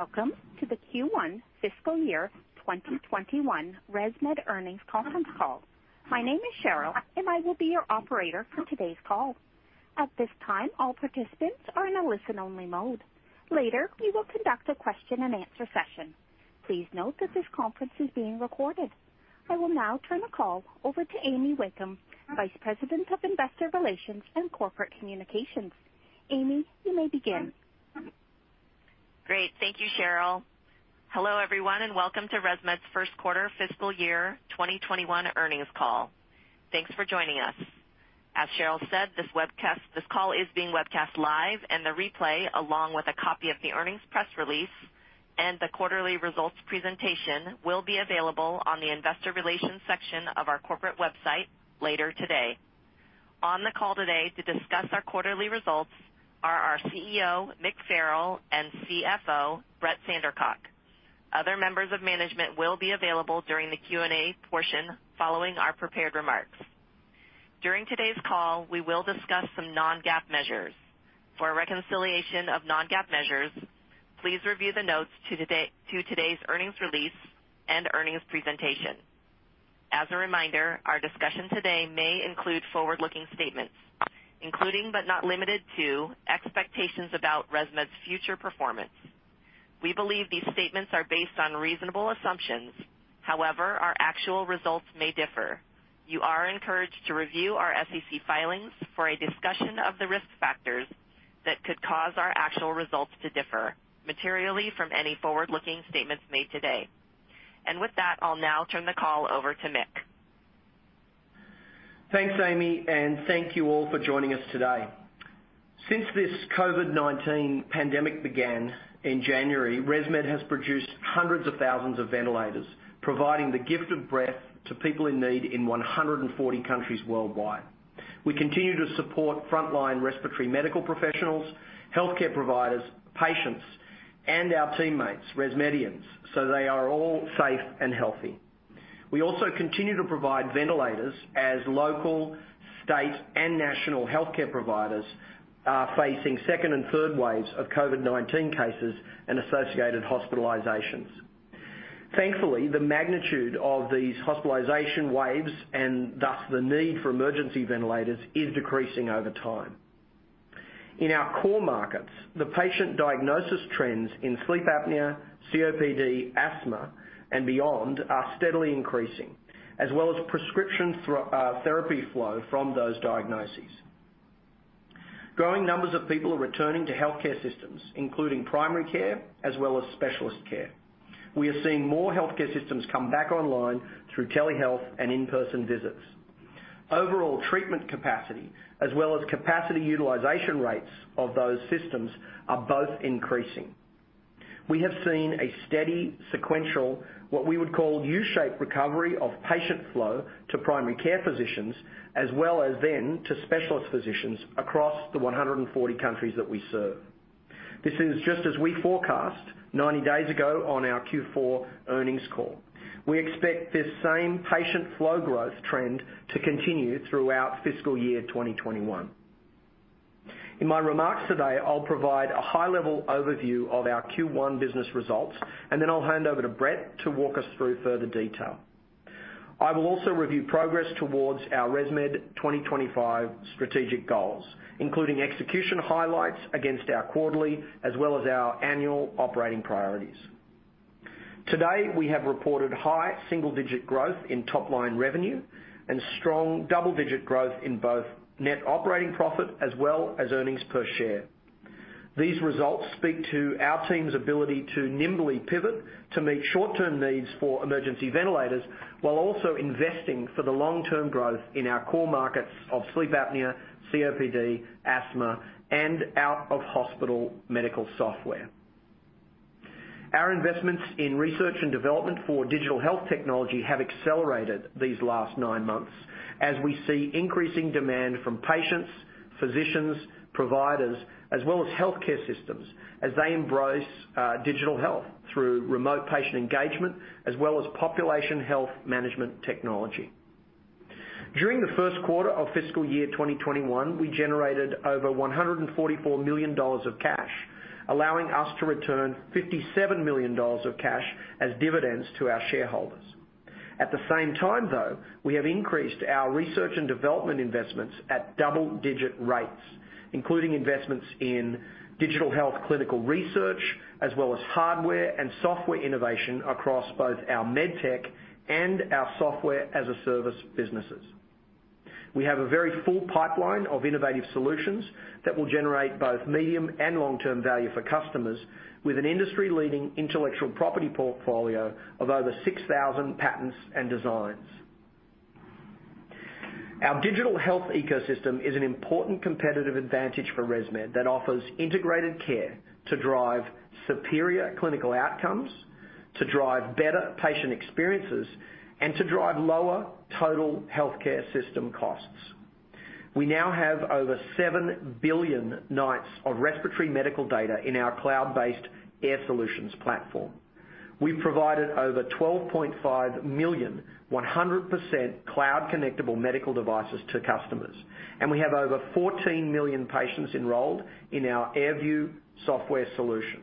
Welcome to the Q1 fiscal year 2021 ResMed earnings conference call. My name is Cheryl and I will be your operator for today's call. At this time, all participants are in a listen-only mode. Later, we will conduct a question and answer session. Please note that this conference is being recorded. I will now turn the call over to Amy Wakeham, Vice President of Investor Relations and Corporate Communications. Amy, you may begin. Great. Thank you, Cheryl. Hello, everyone, and welcome to ResMed's first quarter fiscal year 2021 earnings call. Thanks for joining us. As Cheryl said, this call is being webcast live, and the replay, along with a copy of the earnings press release and the quarterly results presentation, will be available on the investor relations section of our corporate website later today. On the call today to discuss our quarterly results are our CEO, Mick Farrell, and CFO, Brett Sandercock. Other members of management will be available during the Q&A portion following our prepared remarks. During today's call, we will discuss some non-GAAP measures. For a reconciliation of non-GAAP measures, please review the notes to today's earnings release and earnings presentation. As a reminder, our discussion today may include forward-looking statements, including but not limited to expectations about ResMed's future performance. However, our actual results may differ. You are encouraged to review our SEC filings for a discussion of the risk factors that could cause our actual results to differ materially from any forward-looking statements made today. With that, I'll now turn the call over to Mick. Thanks, Amy, and thank you all for joining us today. Since this COVID-19 pandemic began in January, ResMed has produced hundreds of thousands of ventilators, providing the gift of breath to people in need in 140 countries worldwide. We continue to support frontline respiratory medical professionals, healthcare providers, patients, and our teammates, ResMedians, so they are all safe and healthy. We also continue to provide ventilators as local, state, and national healthcare providers are facing second and third waves of COVID-19 cases and associated hospitalizations. Thankfully, the magnitude of these hospitalization waves, and thus the need for emergency ventilators, is decreasing over time. In our core markets, the patient diagnosis trends in sleep apnea, COPD, asthma, and beyond are steadily increasing, as well as prescription therapy flow from those diagnoses. Growing numbers of people are returning to healthcare systems, including primary care, as well as specialist care. We are seeing more healthcare systems come back online through telehealth and in-person visits. Overall treatment capacity, as well as capacity utilization rates of those systems are both increasing. We have seen a steady sequential, what we would call U-shaped recovery of patient flow to primary care physicians, as well as then to specialist physicians across the 140 countries that we serve. This is just as we forecast 90 days ago on our Q4 earnings call. We expect this same patient flow growth trend to continue throughout fiscal year 2021. In my remarks today, I'll provide a high-level overview of our Q1 business results, and then I'll hand over to Brett to walk us through further detail. I will also review progress towards our ResMed 2025 strategic goals, including execution highlights against our quarterly as well as our annual operating priorities. Today, we have reported high single-digit growth in top-line revenue and strong double-digit growth in both net operating profit as well as earnings per share. These results speak to our team's ability to nimbly pivot to meet short-term needs for emergency ventilators, while also investing for the long-term growth in our core markets of sleep apnea, COPD, asthma, and out-of-hospital medical software. Our investments in research and development for digital health technology have accelerated these last nine months as we see increasing demand from patients, physicians, providers, as well as healthcare systems as they embrace digital health through remote patient engagement as well as population health management technology. During the first quarter of fiscal year 2021, we generated over $144 million of cash, allowing us to return $57 million of cash as dividends to our shareholders. At the same time, though, we have increased our research and development investments at double-digit rates, including investments in digital health clinical research, as well as hardware and software innovation across both our medtech and our Software as a Service businesses. We have a very full pipeline of innovative solutions that will generate both medium and long-term value for customers, with an industry-leading intellectual property portfolio of over 6,000 patents and designs. Our digital health ecosystem is an important competitive advantage for ResMed that offers integrated care to drive superior clinical outcomes, to drive better patient experiences, and to drive lower total healthcare system costs. We now have over 7 billion nights of respiratory medical data in our cloud-based AirSolutions platform. We've provided over 12.5 million 100% cloud connectable medical devices to customers, and we have over 14 million patients enrolled in our AirView software solution.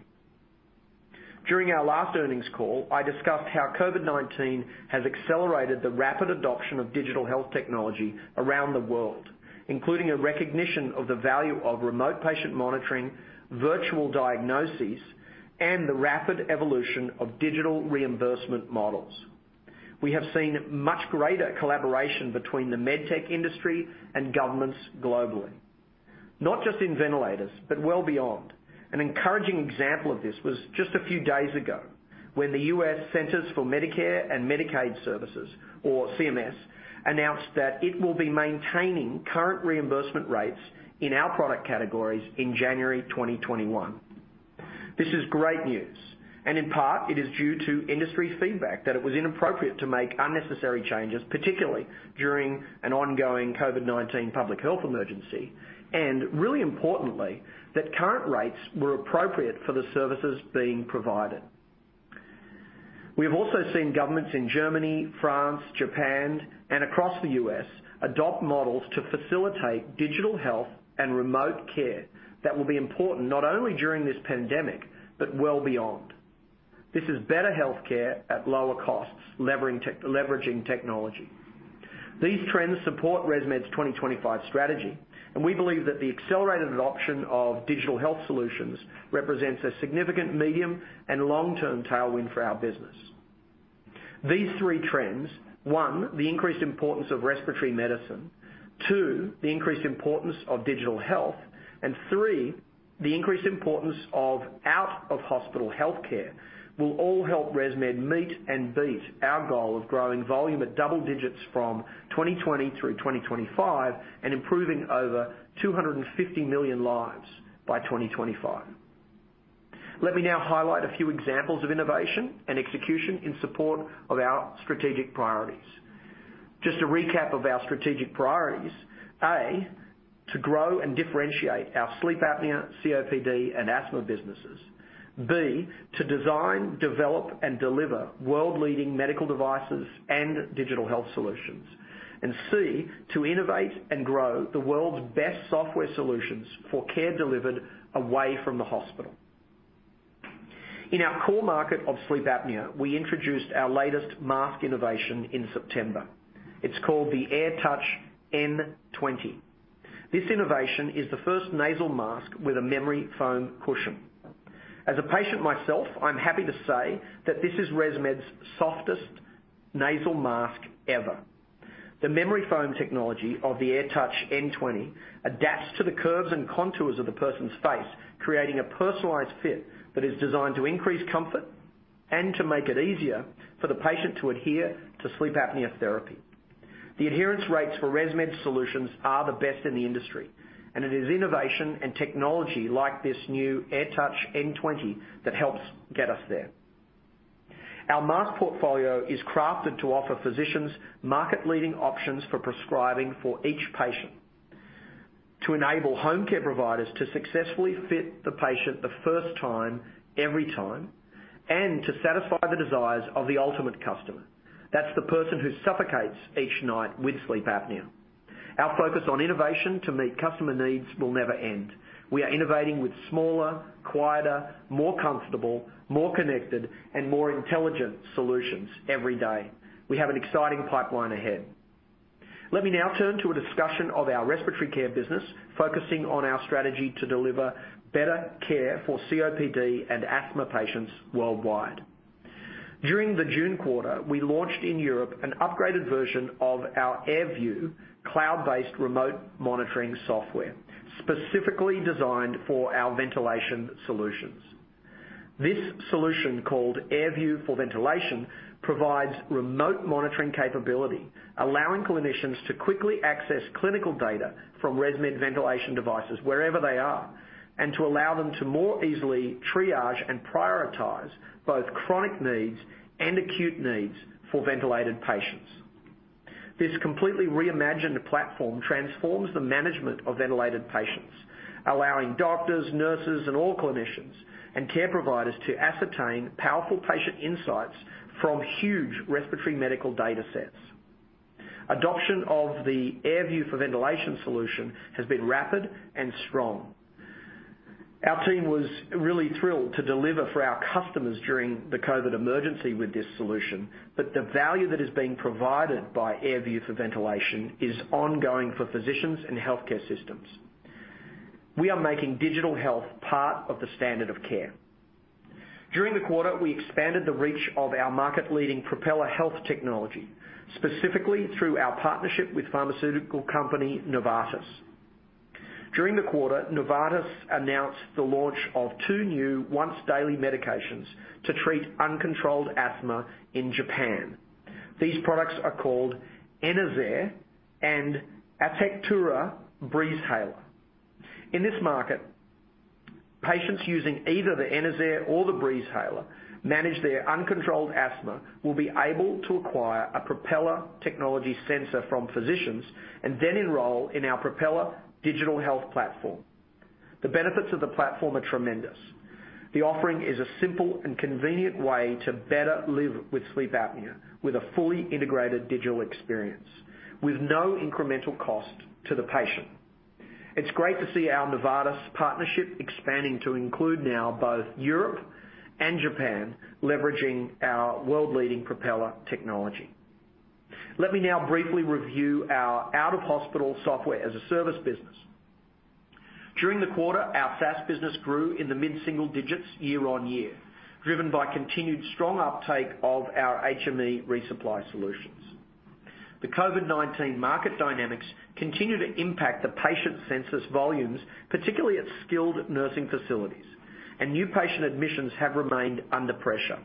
During our last earnings call, I discussed how COVID-19 has accelerated the rapid adoption of digital health technology around the world, including a recognition of the value of remote patient monitoring, virtual diagnoses, and the rapid evolution of digital reimbursement models. We have seen much greater collaboration between the med tech industry and governments globally, not just in ventilators, but well beyond. An encouraging example of this was just a few days ago, when the U.S. Centers for Medicare & Medicaid Services, or CMS, announced that it will be maintaining current reimbursement rates in our product categories in January 2021. This is great news, and in part it is due to industry feedback that it was inappropriate to make unnecessary changes, particularly during an ongoing COVID-19 public health emergency, and really importantly, that current rates were appropriate for the services being provided. We have also seen governments in Germany, France, Japan, and across the U.S. adopt models to facilitate digital health and remote care that will be important not only during this pandemic, but well beyond. This is better healthcare at lower costs, leveraging technology. These trends support ResMed's 2025 strategy. We believe that the accelerated adoption of digital health solutions represents a significant medium and long-term tailwind for our business. These three trends, one, the increased importance of respiratory medicine, two, the increased importance of digital health, and three, the increased importance of out-of-hospital healthcare, will all help ResMed meet and beat our goal of growing volume at double digits from 2020 through 2025 and improving over 250 million lives by 2025. Let me now highlight a few examples of innovation and execution in support of our strategic priorities. Just a recap of our strategic priorities: A, to grow and differentiate our sleep apnea, COPD, and asthma businesses. B, to design, develop, and deliver world-leading medical devices and digital health solutions. C, to innovate and grow the world's best software solutions for care delivered away from the hospital. In our core market of sleep apnea, we introduced our latest mask innovation in September. It's called the AirTouch N20. This innovation is the first nasal mask with a memory foam cushion. As a patient myself, I'm happy to say that this is ResMed's softest nasal mask ever. The memory foam technology of the AirTouch N20 adapts to the curves and contours of the person's face, creating a personalized fit that is designed to increase comfort and to make it easier for the patient to adhere to sleep apnea therapy. The adherence rates for ResMed solutions are the best in the industry, and it is innovation and technology like this new AirTouch N20 that helps get us there. Our mask portfolio is crafted to offer physicians market-leading options for prescribing for each patient, to enable home care providers to successfully fit the patient the first time every time, and to satisfy the desires of the ultimate customer. That's the person who suffocates each night with sleep apnea. Our focus on innovation to meet customer needs will never end. We are innovating with smaller, quieter, more comfortable, more connected, and more intelligent solutions every day. We have an exciting pipeline ahead. Let me now turn to a discussion of our respiratory care business, focusing on our strategy to deliver better care for COPD and asthma patients worldwide. During the June quarter, we launched in Europe an upgraded version of our AirView cloud-based remote monitoring software, specifically designed for our ventilation solutions. This solution, called AirView for Ventilation, provides remote monitoring capability, allowing clinicians to quickly access clinical data from ResMed ventilation devices wherever they are, and to allow them to more easily triage and prioritize both chronic needs and acute needs for ventilated patients. This completely reimagined platform transforms the management of ventilated patients, allowing doctors, nurses, and all clinicians and care providers to ascertain powerful patient insights from huge respiratory medical data sets. Adoption of the AirView for Ventilation solution has been rapid and strong. Our team was really thrilled to deliver for our customers during the COVID emergency with this solution, the value that is being provided by AirView for Ventilation is ongoing for physicians and healthcare systems. We are making digital health part of the standard of care. During the quarter, we expanded the reach of our market-leading Propeller Health technology, specifically through our partnership with pharmaceutical company Novartis. During the quarter, Novartis announced the launch of two new once-daily medications to treat uncontrolled asthma in Japan. These products are called Enerzair and Atectura Breezhaler. In this market, patients using either the Enerzair or the Breezhaler manage their uncontrolled asthma will be able to acquire a Propeller technology sensor from physicians and then enroll in our Propeller digital health platform. The benefits of the platform are tremendous. The offering is a simple and convenient way to better live with sleep apnea, with a fully integrated digital experience, with no incremental cost to the patient. It's great to see our Novartis partnership expanding to include now both Europe and Japan, leveraging our world-leading Propeller technology. Let me now briefly review our out-of-hospital Software as a Service business. During the quarter, our SaaS business grew in the mid-single digits year-on-year, driven by continued strong uptake of our HME resupply solutions. The COVID-19 market dynamics continue to impact the patient census volumes, particularly at skilled nursing facilities. New patient admissions have remained under pressure.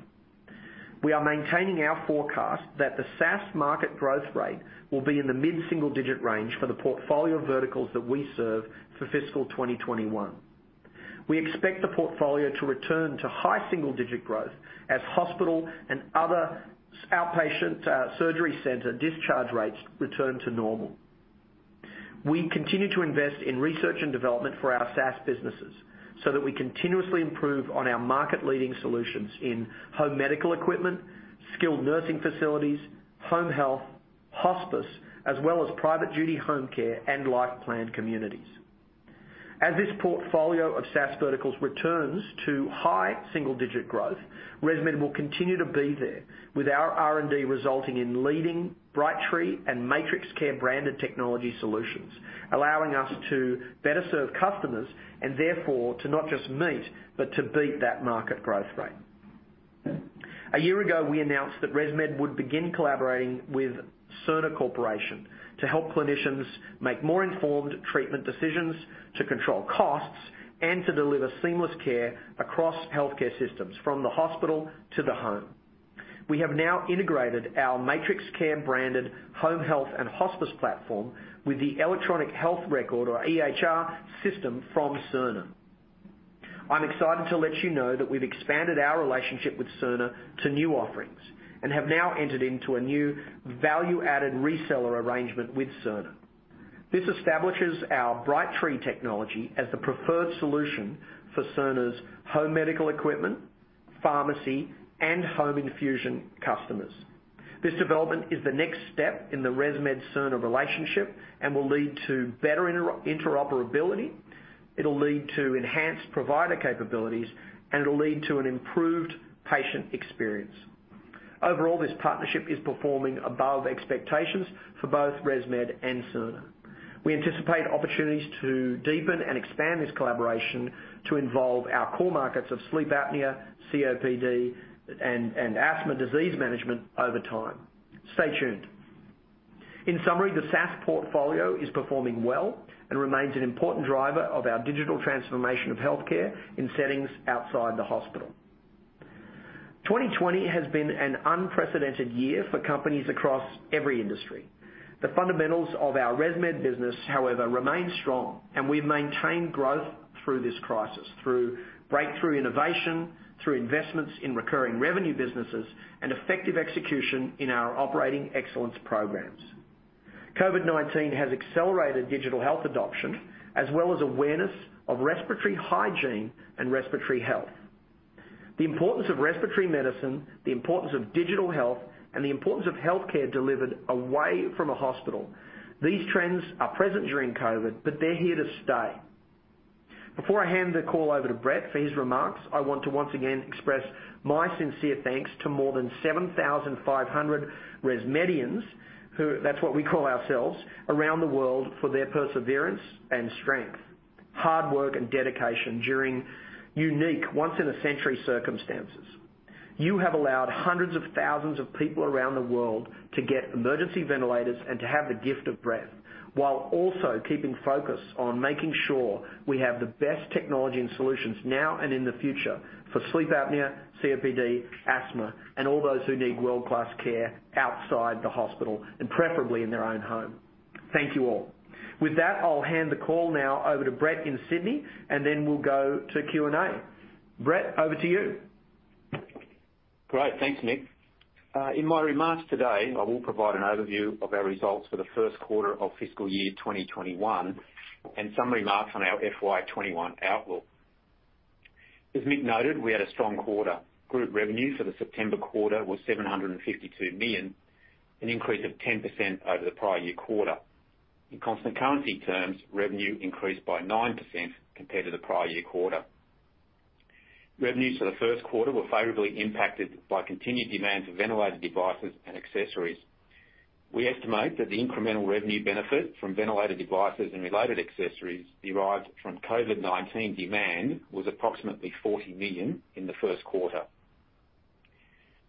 We are maintaining our forecast that the SaaS market growth rate will be in the mid-single-digit range for the portfolio verticals that we serve for fiscal 2021. We expect the portfolio to return to high single-digit growth as hospital and other outpatient surgery center discharge rates return to normal. We continue to invest in research and development for our SaaS businesses so that we continuously improve on our market-leading solutions in home medical equipment, skilled nursing facilities, home health, hospice, as well as private duty home care, and life plan communities. As this portfolio of SaaS verticals returns to high single-digit growth, ResMed will continue to be there with our R&D resulting in leading Brightree and MatrixCare branded technology solutions, allowing us to better serve customers and therefore to not just meet, but to beat that market growth rate. A year ago, we announced that ResMed would begin collaborating with Cerner Corporation to help clinicians make more informed treatment decisions, to control costs, and to deliver seamless care across healthcare systems from the hospital to the home. We have now integrated our MatrixCare branded home health and hospice platform with the electronic health record or EHR system from Cerner. I'm excited to let you know that we've expanded our relationship with Cerner to new offerings and have now entered into a new value-added reseller arrangement with Cerner. This establishes our Brightree technology as the preferred solution for Cerner's home medical equipment, pharmacy, and home infusion customers. This development is the next step in the ResMed-Cerner relationship and will lead to better interoperability. It'll lead to enhanced provider capabilities, and it'll lead to an improved patient experience. Overall, this partnership is performing above expectations for both ResMed and Cerner. We anticipate opportunities to deepen and expand this collaboration to involve our core markets of sleep apnea, COPD, and asthma disease management over time. Stay tuned. In summary, the SaaS portfolio is performing well and remains an important driver of our digital transformation of healthcare in settings outside the hospital. 2020 has been an unprecedented year for companies across every industry. The fundamentals of our ResMed business, however, remain strong, and we've maintained growth through this crisis, through breakthrough innovation, through investments in recurring revenue businesses, and effective execution in our operating excellence programs. COVID-19 has accelerated digital health adoption as well as awareness of respiratory hygiene and respiratory health. The importance of respiratory medicine, the importance of digital health, and the importance of healthcare delivered away from a hospital. These trends are present during COVID, but they're here to stay. Before I hand the call over to Brett for his remarks, I want to once again express my sincere thanks to more than 7,500 ResMedians, that's what we call ourselves, around the world for their perseverance and strength, hard work, and dedication during unique, once-in-a-century circumstances. You have allowed hundreds of thousands of people around the world to get emergency ventilators and to have the gift of breath, while also keeping focus on making sure we have the best technology and solutions now and in the future for sleep apnea, COPD, asthma, and all those who need world-class care outside the hospital, and preferably in their own home. Thank you all. With that, I'll hand the call now over to Brett in Sydney, and then we'll go to Q&A. Brett, over to you. Great. Thanks, Mick. In my remarks today, I will provide an overview of our results for the first quarter of fiscal year 2021 and some remarks on our FY 2021 outlook. As Mick noted, we had a strong quarter. Group revenue for the September quarter was $752 million, an increase of 10% over the prior year quarter. In constant currency terms, revenue increased by 9% compared to the prior year quarter. Revenues for the first quarter were favorably impacted by continued demand for ventilator devices and accessories. We estimate that the incremental revenue benefit from ventilator devices and related accessories derived from COVID-19 demand was approximately $40 million in the first quarter.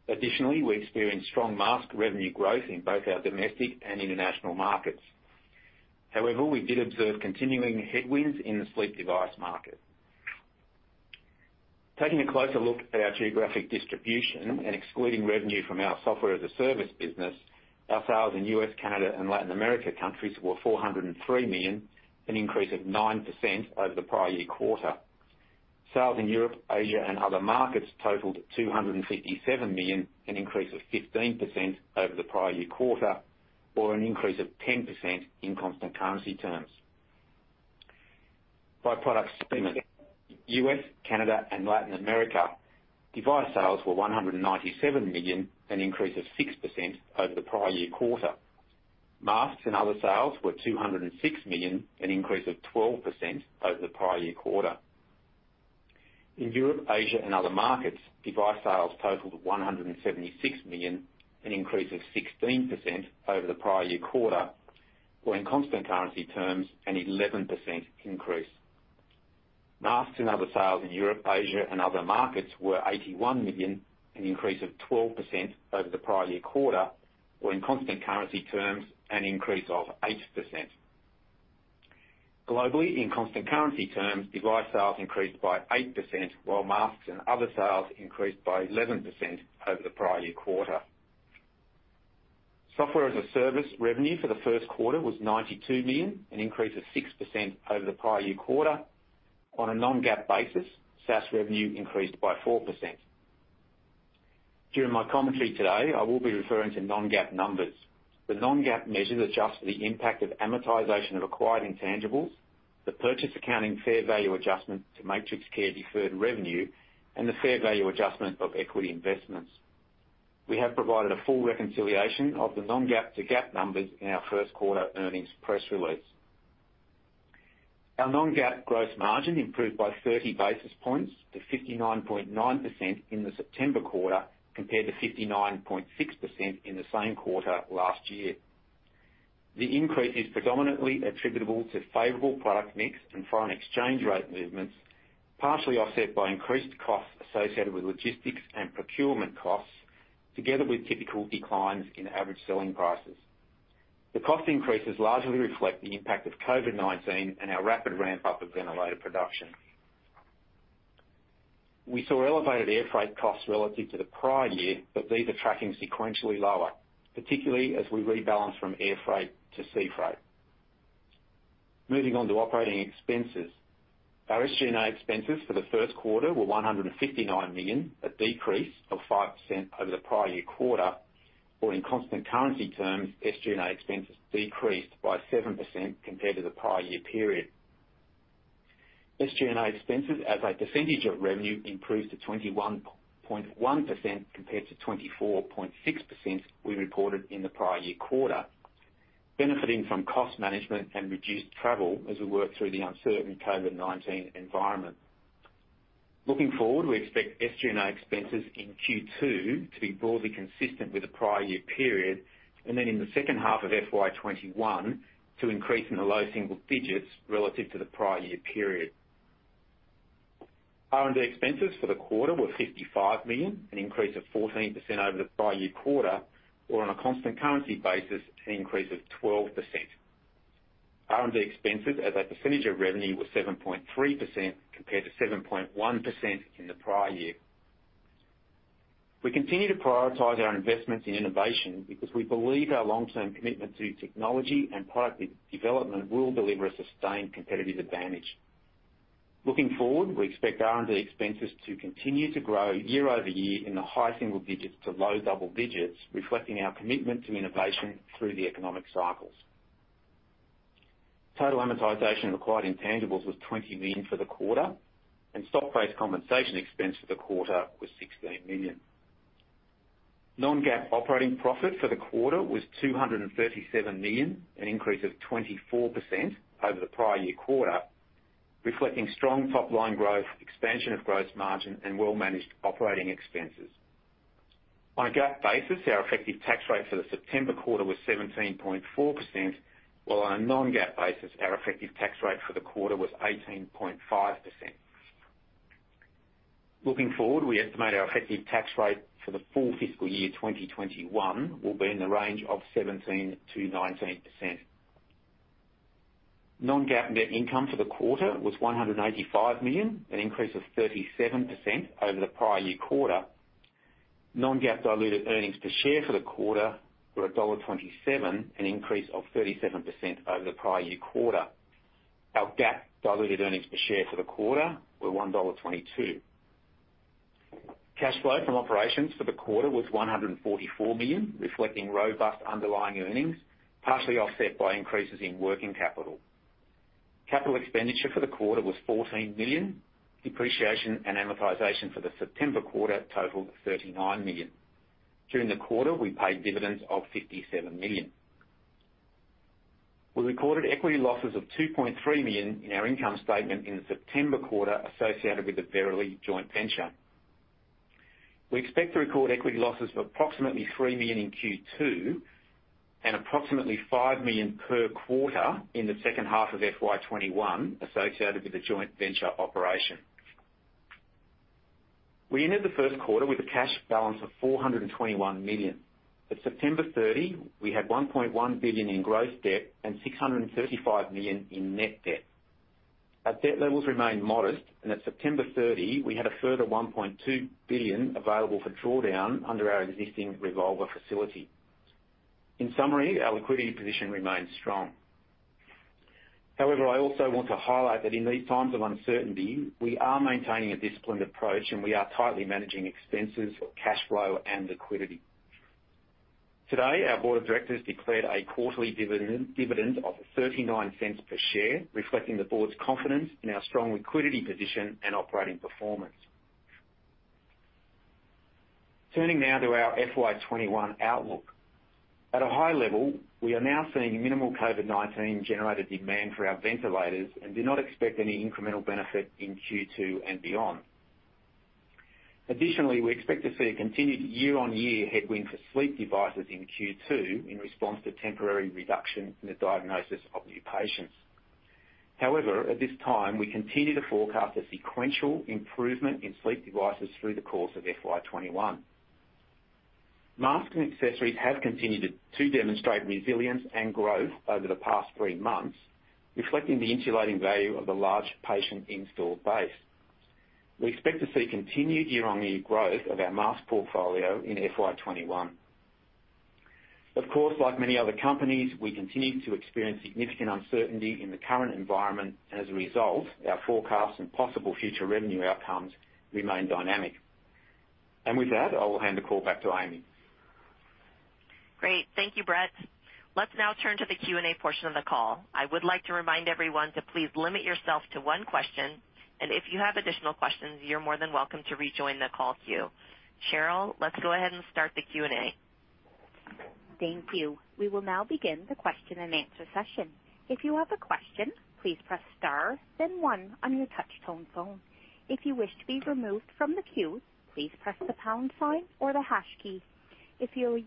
Additionally, we experienced strong mask revenue growth in both our domestic and international markets. However, we did observe continuing headwinds in the sleep device market. Taking a closer look at our geographic distribution and excluding revenue from our software-as-a-service business, our sales in U.S., Canada, and Latin America countries were $403 million, an increase of 9% over the prior year quarter. Sales in Europe, Asia, and other markets totaled $257 million, an increase of 15% over the prior year quarter, or an increase of 10% in constant currency terms. By product segment, U.S., Canada, and Latin America device sales were $197 million, an increase of 6% over the prior year quarter. Masks and other sales were $206 million, an increase of 12% over the prior year quarter. In Europe, Asia, and other markets, device sales totaled $176 million, an increase of 16% over the prior year quarter, or in constant currency terms, an 11% increase. Masks and other sales in Europe, Asia, and other markets were $81 million, an increase of 12% over the prior year quarter, or in constant currency terms, an increase of 8%. Globally, in constant currency terms, device sales increased by 8%, while masks and other sales increased by 11% over the prior year quarter. Software as a Service revenue for the first quarter was $92 million, an increase of 6% over the prior year quarter. On a non-GAAP basis, SaaS revenue increased by 4%. During my commentary today, I will be referring to non-GAAP numbers. The non-GAAP measures adjust for the impact of amortization of acquired intangibles, the purchase accounting fair value adjustments to MatrixCare deferred revenue, and the fair value adjustment of equity investments. We have provided a full reconciliation of the non-GAAP to GAAP numbers in our first quarter earnings press release. Our non-GAAP gross margin improved by 30 basis points to 59.9% in the September quarter, compared to 59.6% in the same quarter last year. The increase is predominantly attributable to favorable product mix and foreign exchange rate movements, partially offset by increased costs associated with logistics and procurement costs, together with typical declines in average selling prices. The cost increases largely reflect the impact of COVID-19 and our rapid ramp-up of ventilator production. We saw elevated air freight costs relative to the prior year, but these are tracking sequentially lower, particularly as we rebalance from air freight to sea freight. Moving on to operating expenses. Our SG&A expenses for the first quarter were $159 million, a decrease of 5% over the prior year quarter, or in constant currency terms, SG&A expenses decreased by 7% compared to the prior year period. SG&A expenses as a percentage of revenue improved to 21.1% compared to 24.6% we reported in the prior year quarter, benefiting from cost management and reduced travel as we work through the uncertain COVID-19 environment. Looking forward, we expect SG&A expenses in Q2 to be broadly consistent with the prior year period, and then in the second half of FY 2021, to increase in the low single digits relative to the prior year period. R&D expenses for the quarter were $55 million, an increase of 14% over the prior year quarter, or on a constant currency basis, an increase of 12%. R&D expenses as a percentage of revenue were 7.3% compared to 7.1% in the prior year. We continue to prioritize our investments in innovation because we believe our long-term commitment to technology and product development will deliver a sustained competitive advantage. Looking forward, we expect R&D expenses to continue to grow year over year in the high single digits to low double digits, reflecting our commitment to innovation through the economic cycles. Total amortization of acquired intangibles was $20 million for the quarter, and stock-based compensation expense for the quarter was $16 million. Non-GAAP operating profit for the quarter was $237 million, an increase of 24% over the prior year quarter, reflecting strong top-line growth, expansion of gross margin, and well-managed operating expenses. On a GAAP basis, our effective tax rate for the September quarter was 17.4%, while on a non-GAAP basis, our effective tax rate for the quarter was 18.5%. Looking forward, we estimate our effective tax rate for the full fiscal year 2021 will be in the range of 17%-19%. Non-GAAP net income for the quarter was $185 million, an increase of 37% over the prior year quarter. Non-GAAP diluted earnings per share for the quarter were $1.27, an increase of 37% over the prior year quarter. Our GAAP diluted earnings per share for the quarter were $1.22. Cash flow from operations for the quarter was $144 million, reflecting robust underlying earnings, partially offset by increases in working capital. Capital expenditure for the quarter was $14 million. Depreciation and amortization for the September quarter totaled $39 million. During the quarter, we paid dividends of $57 million. We recorded equity losses of $2.3 million in our income statement in the September quarter associated with the Verily joint venture. We expect to record equity losses of approximately $3 million in Q2 and approximately $5 million per quarter in the second half of FY 2021 associated with the joint venture operation. We ended the first quarter with a cash balance of $421 million. At September 30, we had $1.1 billion in gross debt and $635 million in net debt. Our debt levels remain modest, and at September 30, we had a further $1.2 billion available for drawdown under our existing revolver facility. In summary, our liquidity position remains strong. I also want to highlight that in these times of uncertainty, we are maintaining a disciplined approach, and we are tightly managing expenses, cash flow, and liquidity. Today, our board of directors declared a quarterly dividend of $0.39 per share, reflecting the board's confidence in our strong liquidity position and operating performance. Turning now to our FY 2021 outlook. At a high level, we are now seeing minimal COVID-19 generated demand for our ventilators and do not expect any incremental benefit in Q2 and beyond. Additionally, we expect to see a continued year-on-year headwind for sleep devices in Q2 in response to temporary reduction in the diagnosis of new patients. However, at this time, we continue to forecast a sequential improvement in sleep devices through the course of FY 2021. Mask and accessories have continued to demonstrate resilience and growth over the past three months, reflecting the insulating value of the large patient installed base. We expect to see continued year-on-year growth of our mask portfolio in FY 2021. Of course, like many other companies, we continue to experience significant uncertainty in the current environment, and as a result, our forecasts and possible future revenue outcomes remain dynamic. With that, I will hand the call back to Amy. Great. Thank you, Brett. Let's now turn to the Q&A portion of the call. I would like to remind everyone to please limit yourself to one question. If you have additional questions, you're more than welcome to rejoin the call queue. Cheryl, let's go ahead and start the Q&A. Thank you. We will now begin the question and answer session. As a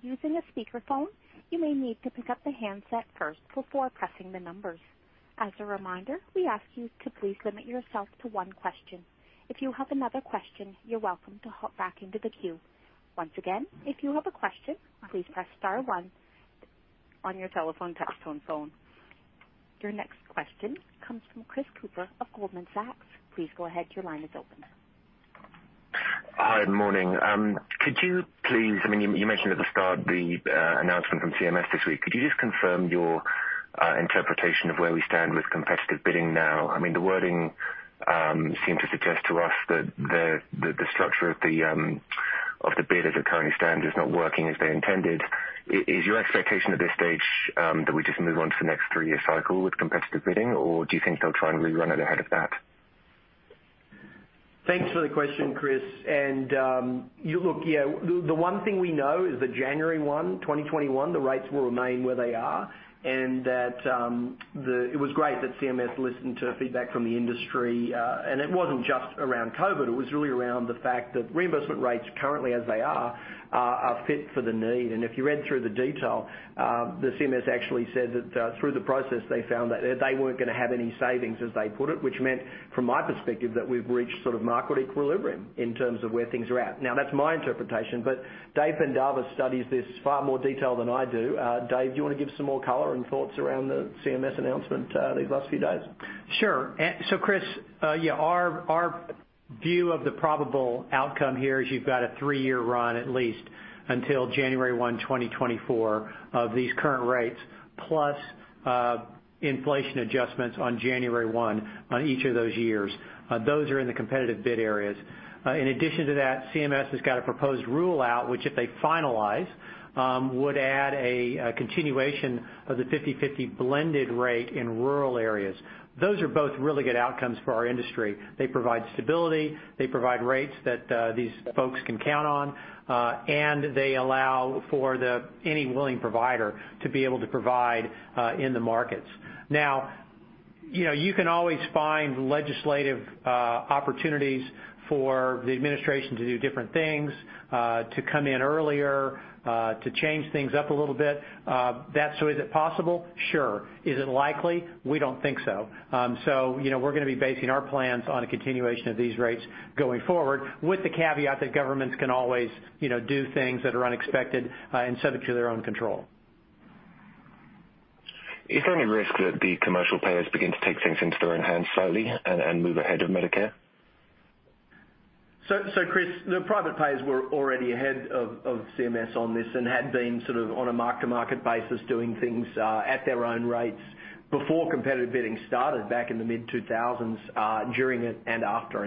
reminder, we ask you to please limit yourself to one question. If you have another question, you're welcome to hop back into the queue. Your next question comes from Chris Cooper of Goldman Sachs. Please go ahead. Your line is open. Hi, morning. You mentioned at the start the announcement from CMS this week. Could you just confirm your interpretation of where we stand with competitive bidding now? The wording seems to suggest to us that the structure of the bid as it currently stands is not working as they intended. Is your expectation at this stage that we just move on to the next three-year cycle with competitive bidding, or do you think they'll try and rerun it ahead of that? Thanks for the question, Chris. Look, yeah, the one thing we know is that January 1, 2021, the rates will remain where they are, and that it was great that CMS listened to feedback from the industry. It wasn't just around COVID, it was really around the fact that reimbursement rates currently as they are fit for the need. If you read through the detail, the CMS actually said that through the process, they found that they weren't going to have any savings, as they put it, which meant, from my perspective, that we've reached sort of market equilibrium in terms of where things are at. Now, that's my interpretation, but Dave Pendarvis studies this in far more detail than I do. Dave, do you want to give some more color and thoughts around the CMS announcement these last few days? Sure. Chris, yeah, our view of the probable outcome here is you've got a 3-year run at least until January 1, 2024, of these current rates, plus inflation adjustments on January 1 on each of those years. Those are in the competitive bid areas. In addition to that, CMS has got a proposed rule out, which if they finalize, would add a continuation of the 50/50 blended rate in rural areas. Those are both really good outcomes for our industry. They provide stability, they provide rates that these folks can count on, and they allow for any willing provider to be able to provide in the markets. Now, you can always find legislative opportunities for the administration to do different things, to come in earlier, to change things up a little bit. Is it possible? Sure. Is it likely? We don't think so. We're going to be basing our plans on a continuation of these rates going forward with the caveat that governments can always do things that are unexpected and subject to their own control. Is there any risk that the commercial payers begin to take things into their own hands slightly and move ahead of Medicare? Chris, the private payers were already ahead of CMS on this and had been sort of on a mark-to-market basis doing things at their own rates before competitive bidding started back in the mid-2000s, during it, and after.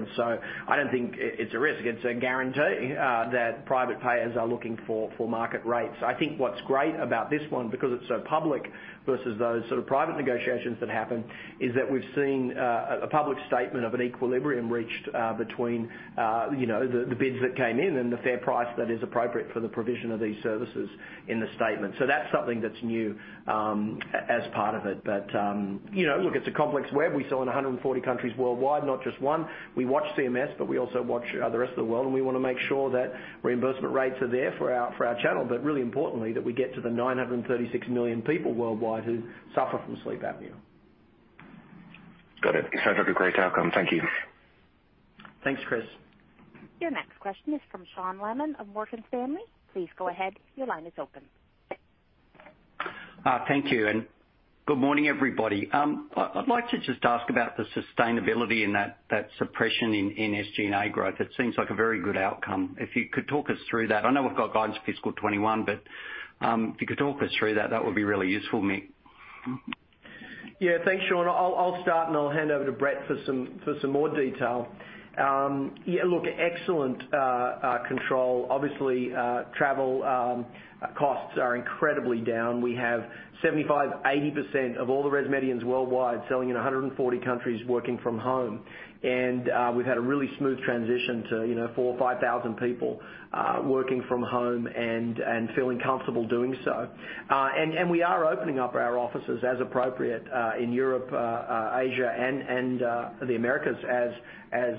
I don't think it's a risk. It's a guarantee that private payers are looking for market rates. I think what's great about this one, because it's so public versus those sort of private negotiations that happen, is that we've seen a public statement of an equilibrium reached between the bids that came in and the fair price that is appropriate for the provision of these services in the statement. That's something that's new as part of it. Look, it's a complex web. We sell in 140 countries worldwide, not just one. We watch CMS, but we also watch the rest of the world, and we want to make sure that reimbursement rates are there for our channel, but really importantly, that we get to the 936 million people worldwide who suffer from sleep apnea. Got it. Sounds like a great outcome. Thank you. Thanks, Chris. Your next question is from Sean Laaman of Morgan Stanley. Please go ahead. Your line is open. Thank you. Good morning, everybody. I'd like to just ask about the sustainability and that suppression in SG&A growth. It seems like a very good outcome. If you could talk us through that. I know we've got guidance fiscal 2021, but if you could talk us through that would be really useful, Mick. Thanks, Sean. I'll start, and I'll hand over to Brett for some more detail. Look, excellent control. Obviously, travel costs are incredibly down. We have 75%-80% of all the ResMedians worldwide selling in 140 countries working from home, and we've had a really smooth transition to 4,000-5,000 people working from home and feeling comfortable doing so. We are opening up our offices as appropriate, in Europe, Asia, and the Americas as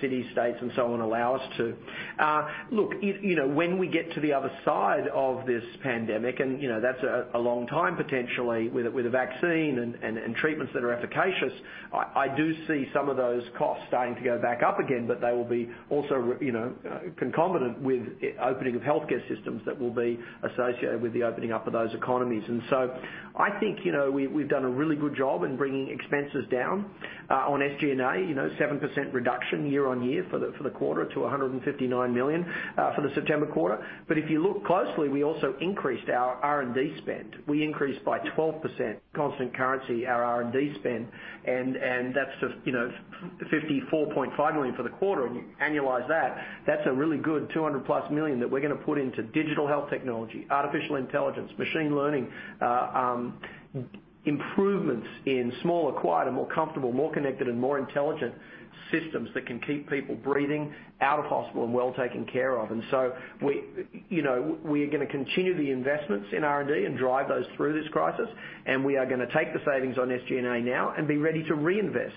cities, states and so on allow us to. Look, when we get to the other side of this pandemic, and that's a long time, potentially, with a vaccine and treatments that are efficacious. I do see some of those costs starting to go back up again, but they will be also concomitant with opening of healthcare systems that will be associated with the opening up of those economies. I think we've done a really good job in bringing expenses down, on SG&A, 7% reduction year-over-year for the quarter to $159 million for the September quarter. If you look closely, we also increased our R&D spend. We increased by 12% constant currency, our R&D spend, and that's just $54.5 million for the quarter. You annualize that's a really good $200-plus million that we're going to put into digital health technology, artificial intelligence, machine learning, improvements in smaller, quieter, more comfortable, more connected, and more intelligent systems that can keep people breathing, out of hospital, and well taken care of. We are going to continue the investments in R&D and drive those through this crisis, and we are going to take the savings on SG&A now and be ready to reinvest,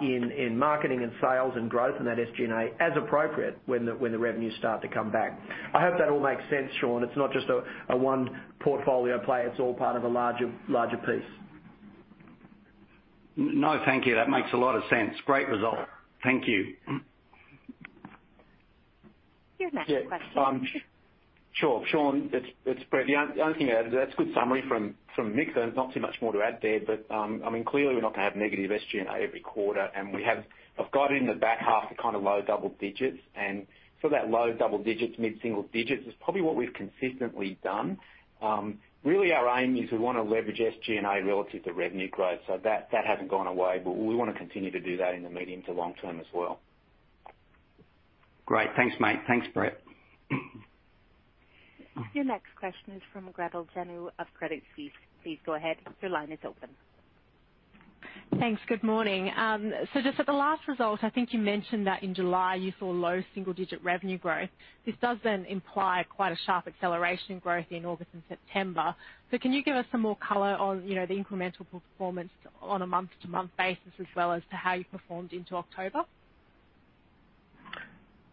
in marketing and sales and growth in that SG&A as appropriate when the revenues start to come back. I hope that all makes sense, Sean. It is not just a one portfolio play. It is all part of a larger piece. No, thank you. That makes a lot of sense. Great result. Thank you. Your next question. Sure, Sean, it's Brett. The only thing I added, that's a good summary from Mick, there's not too much more to add there. Clearly we're not going to have negative SG&A every quarter, and we have guided in the back half to low double digits. Sort of that low double digits, mid-single digits is probably what we've consistently done. Really our aim is we want to leverage SG&A relative to revenue growth. That hasn't gone away. We want to continue to do that in the medium to long term as well. Great. Thanks, mate. Thanks, Brett. Your next question is from Gretel Janu of Credit Suisse. Please go ahead. Your line is open. Thanks. Good morning. Just at the last result, I think you mentioned that in July you saw low single digit revenue growth. This does imply quite a sharp acceleration growth in August and September. Can you give us some more color on the incremental performance on a month-to-month basis as well as to how you performed into October?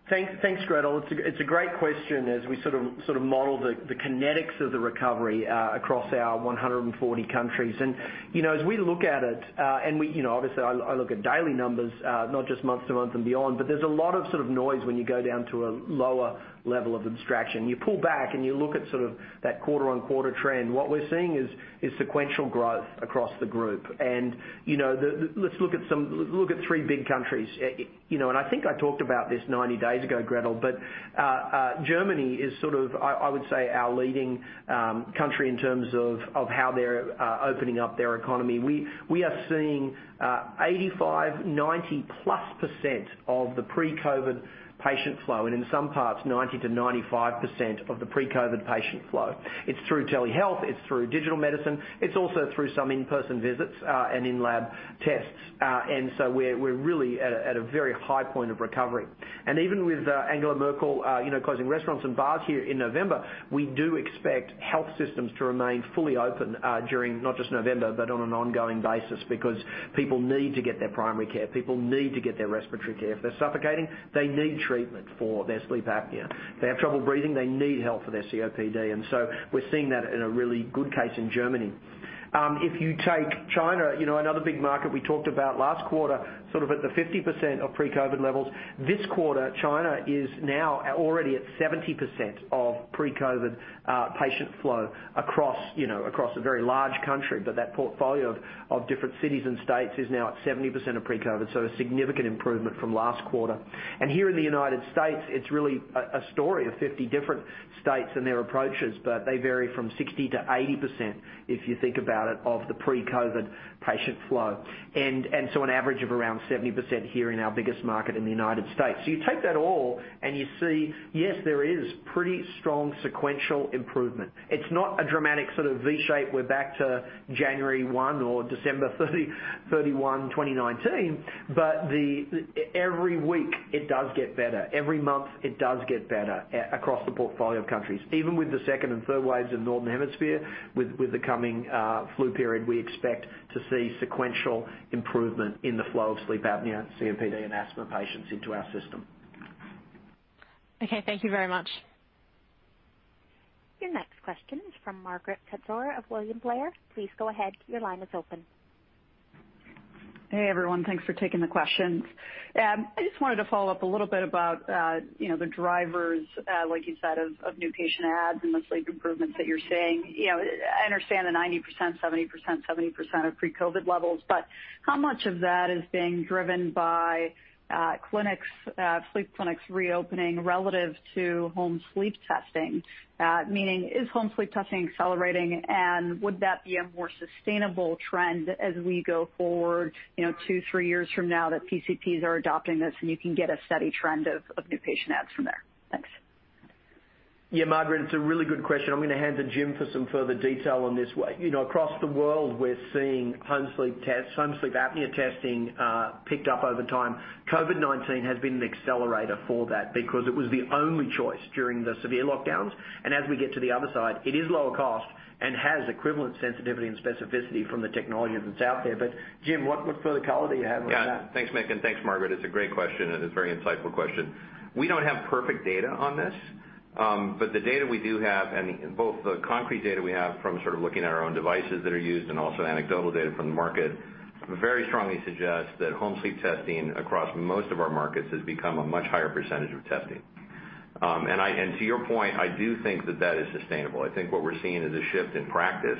Thanks, Gretel. It's a great question as we sort of model the kinetics of the recovery, across our 140 countries. As we look at it, and obviously I look at daily numbers, not just month-to-month and beyond, but there's a lot of sort of noise when you go down to a lower level of abstraction. You pull back and you look at sort of that quarter-on-quarter trend. What we're seeing is sequential growth across the group. Let's look at three big countries. I think I talked about this 90 days ago, Gretel, but Germany is sort of, I would say our leading country in terms of how they're opening up their economy. We are seeing 85%, 90%-plus of the pre-COVID patient flow, and in some parts, 90%-95% of the pre-COVID patient flow. It's through telehealth, it's through digital medicine. It's also through some in-person visits, and in-lab tests. We're really at a very high point of recovery. Even with Angela Merkel closing restaurants and bars here in November, we do expect health systems to remain fully open during not just November, but on an ongoing basis, because people need to get their primary care. People need to get their respiratory care. If they're suffocating, they need treatment for their sleep apnea. If they have trouble breathing, they need help for their COPD. We're seeing that in a really good case in Germany. If you take China, another big market we talked about last quarter, sort of at the 50% of pre-COVID levels. This quarter, China is now already at 70% of pre-COVID patient flow across a very large country. That portfolio of different cities and states is now at 70% of pre-COVID, so a significant improvement from last quarter. Here in the United States, it's really a story of 50 different states and their approaches, but they vary from 60%-80%, if you think about it, of the pre-COVID patient flow. So an average of around 70% here in our biggest market in the United States. You take that all and you see, yes, there is pretty strong sequential improvement. It's not a dramatic sort of V shape, we're back to January 1 or December 31, 2019, but every week it does get better. Every month it does get better across the portfolio of countries. Even with the second and third waves in the Northern Hemisphere, with the coming flu period, we expect to see sequential improvement in the flow of sleep apnea, COPD, and asthma patients into our system. Okay. Thank you very much. Your next question is from Margaret Kaczor of William Blair. Please go ahead. Your line is open. Hey, everyone. Thanks for taking the questions. I just wanted to follow up a little bit about the drivers, like you said, of new patient adds and the sleep improvements that you're seeing. How much of that is being driven by sleep clinics reopening relative to home sleep testing? Meaning, is home sleep testing accelerating? Would that be a more sustainable trend as we go forward two, three years from now that PCPs are adopting this, and you can get a steady trend of new patient adds from there? Thanks. Yeah, Margaret, it's a really good question. I'm going to hand to Jim for some further detail on this one. Across the world, we're seeing home sleep apnea testing pick up over time. COVID-19 has been an accelerator for that because it was the only choice during the severe lockdowns. As we get to the other side, it is lower cost and has equivalent sensitivity and specificity from the technology that's out there. Jim, what further color do you have on that? Thanks, Mick, and thanks, Margaret. It's a great question, and a very insightful question. We don't have perfect data on this. The data we do have, and both the concrete data we have from sort of looking at our own devices that are used and also anecdotal data from the market, very strongly suggests that home sleep testing across most of our markets has become a much higher % of testing. To your point, I do think that that is sustainable. I think what we're seeing is a shift in practice.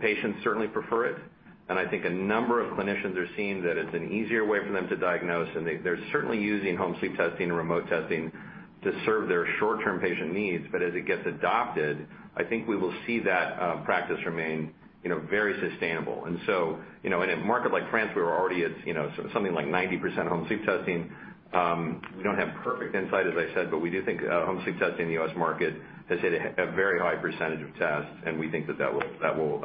Patients certainly prefer it, and I think a number of clinicians are seeing that it's an easier way for them to diagnose, and they're certainly using home sleep testing and remote testing to serve their short-term patient needs. As it gets adopted, I think we will see that practice remain very sustainable. In a market like France, we were already at something like 90% home sleep testing. We don't have perfect insight, as I said, but we do think home sleep testing in the U.S. market is at a very high % of tests, and we think that will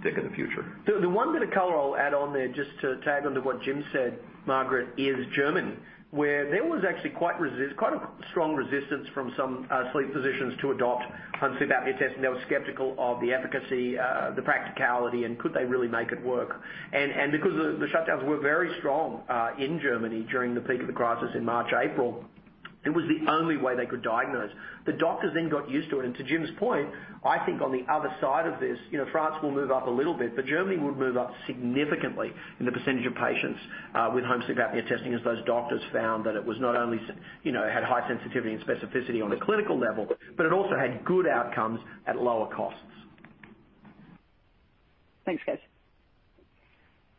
stick in the future. The one bit of color I'll add on there, just to tag onto what Jim said, Margaret, is Germany, where there was actually quite a strong resistance from some sleep physicians to adopt home sleep apnea testing. They were skeptical of the efficacy, the practicality, and could they really make it work. Because the shutdowns were very strong in Germany during the peak of the crisis in March, April, it was the only way they could diagnose. The doctors then got used to it. To Jim's point, I think on the other side of this, France will move up a little bit, but Germany will move up significantly in the percentage of patients with home sleep apnea testing, as those doctors found that it not only had high sensitivity and specificity on a clinical level, but it also had good outcomes at lower costs. Thanks, guys.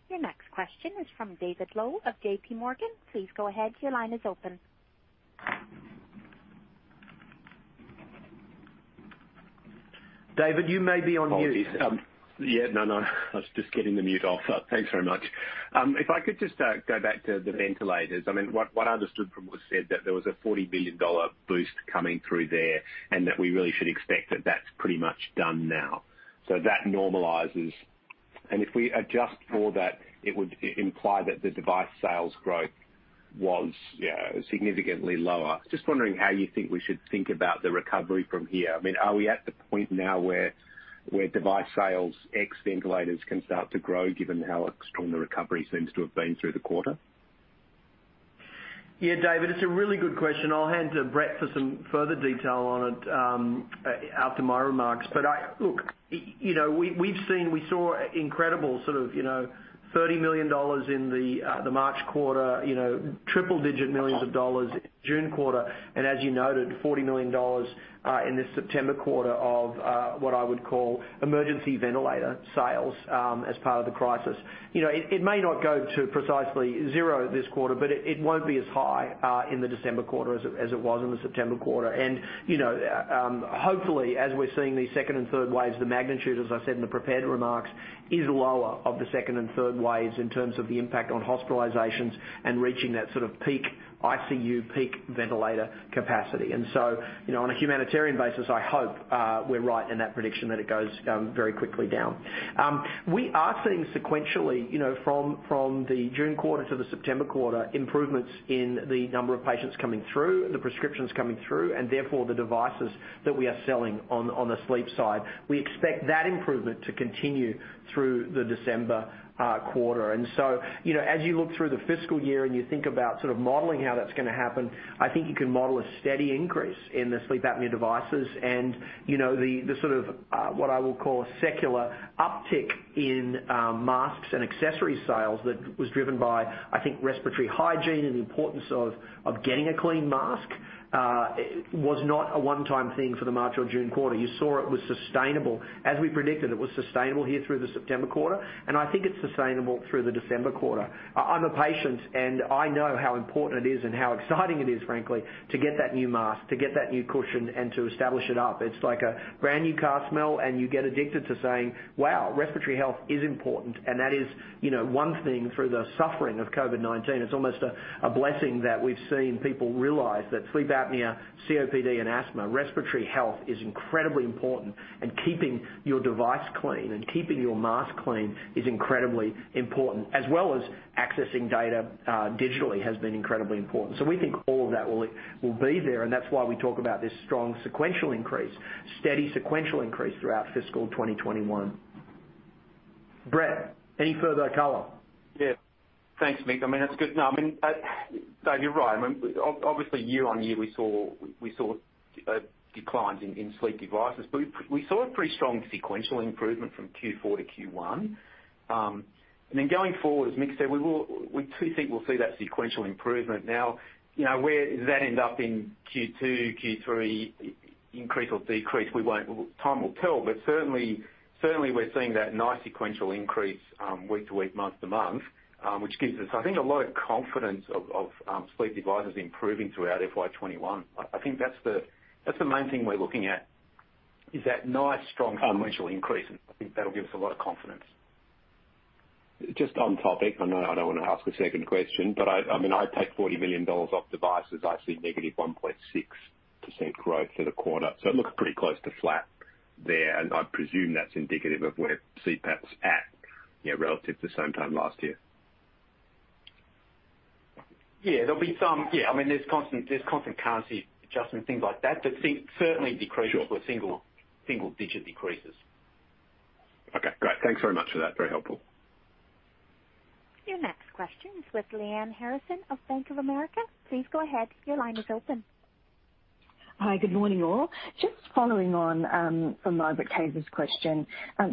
Your next question is from David Low of JP Morgan. Please go ahead, your line is open. David, you may be on mute. No, I was just getting the mute off. Thanks very much. If I could just go back to the ventilators. What I understood from what was said, that there was a $40 million boost coming through there, and that we really should expect that that's pretty much done now. That normalizes. If we adjust for that, it would imply that the device sales growth was significantly lower. Just wondering how you think we should think about the recovery from here. Are we at the point now where device sales ex ventilators can start to grow, given how strong the recovery seems to have been through the quarter? Yeah, David, it's a really good question. I'll hand to Brett for some further detail on it after my remarks. Look, we saw incredible sort of $30 million in the March quarter, triple-digit millions of dollars June quarter, and as you noted, $40 million in the September quarter of what I would call emergency ventilator sales as part of the crisis. It may not go to precisely zero this quarter, but it won't be as high in the December quarter as it was in the September quarter. Hopefully, as we're seeing these second and third waves, the magnitude, as I said in the prepared remarks, is lower of the second and third waves in terms of the impact on hospitalizations and reaching that sort of peak ICU, peak ventilator capacity. On a humanitarian basis, I hope we're right in that prediction that it goes very quickly down. We are seeing sequentially, from the June quarter to the September quarter, improvements in the number of patients coming through, the prescriptions coming through, and therefore the devices that we are selling on the sleep side. We expect that improvement to continue through the December quarter. As you look through the fiscal year and you think about sort of modeling how that's going to happen, I think you can model a steady increase in the sleep apnea devices and the sort of what I will call secular uptick in masks and accessory sales that was driven by, I think, respiratory hygiene and the importance of getting a clean mask, was not a one-time thing for the March or June quarter. You saw it was sustainable. As we predicted, it was sustainable here through the September quarter, and I think it's sustainable through the December quarter. I'm a patient, and I know how important it is and how exciting it is, frankly, to get that new mask, to get that new cushion, and to establish it up. It's like a brand new car smell, and you get addicted to saying, "Wow, respiratory health is important." That is one thing through the suffering of COVID-19. It's almost a blessing that we've seen people realize that sleep apnea, COPD, and asthma, respiratory health is incredibly important, and keeping your device clean and keeping your mask clean is incredibly important, as well as accessing data digitally has been incredibly important. We think all of that will be there, and that's why we talk about this strong sequential increase, steady sequential increase throughout fiscal 2021. Brett, any further color? Thanks, Mick. That's good. Dave, you're right. Obviously, year-over-year, we saw declines in sleep devices, but we saw a pretty strong sequential improvement from Q4 to Q1. Going forward, as Mick said, we too think we'll see that sequential improvement. Now, where does that end up in Q2, Q3, increase or decrease? Time will tell. Certainly, we're seeing that nice sequential increase week to week, month to month, which gives us, I think, a lot of confidence of sleep devices improving throughout FY 2021. I think that's the main thing we're looking at, is that nice strong sequential increase, and I think that'll give us a lot of confidence. Just on topic, I know I don't want to ask a second question, but I take $40 million off devices. I see negative 1.6% growth for the quarter, so it looks pretty close to flat there, and I presume that's indicative of where CPAP's at relative to the same time last year. Yeah, there's constant currency adjustments, things like that. Certainly decreases. Sure were single-digit decreases. Okay, great. Thanks very much for that. Very helpful. Your next question is with Lyanne Harrison of Bank of America. Please go ahead. Your line is open. Hi. Good morning, all. Just following on from Margaret Kaczor's question.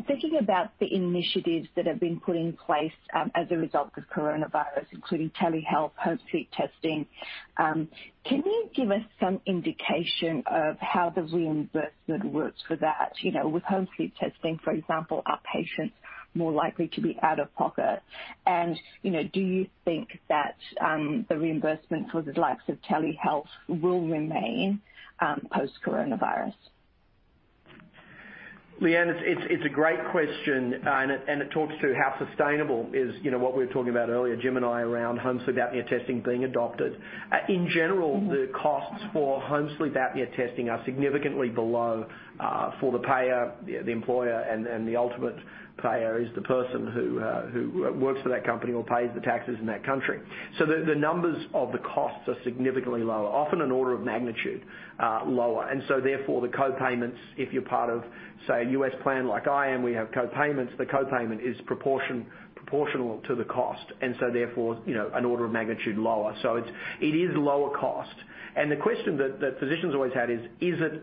Thinking about the initiatives that have been put in place as a result of Coronavirus, including telehealth, home sleep testing, can you give us some indication of how the reimbursement works for that? With home sleep testing, for example, are patients more likely to be out of pocket? Do you think that the reimbursement for the likes of telehealth will remain post-Coronavirus? Lyanne, it's a great question, and it talks to how sustainable is what we were talking about earlier, Jim and I, around home sleep apnea testing being adopted. the costs for home sleep apnea testing are significantly below, for the payer, the employer, and the ultimate payer is the person who works for that company or pays the taxes in that country. The numbers of the costs are significantly lower, often an order of magnitude lower. The co-payments, if you're part of, say, a U.S. plan like I am, we have co-payments. The co-payment is proportional to the cost, an order of magnitude lower. It is lower cost. The question that physicians always had is it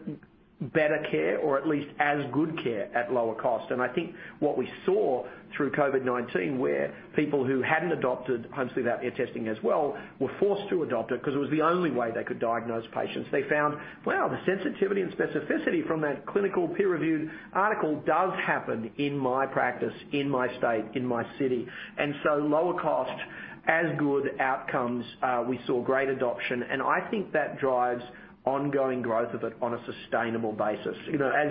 better care or at least as good care at lower cost? I think what we saw through COVID-19, where people who hadn't adopted home sleep apnea testing as well were forced to adopt it because it was the only way they could diagnose patients. They found, "Wow, the sensitivity and specificity from that clinical peer-reviewed article does happen in my practice, in my state, in my city." Lower cost, as good outcomes. We saw great adoption, I think that drives ongoing growth of it on a sustainable basis.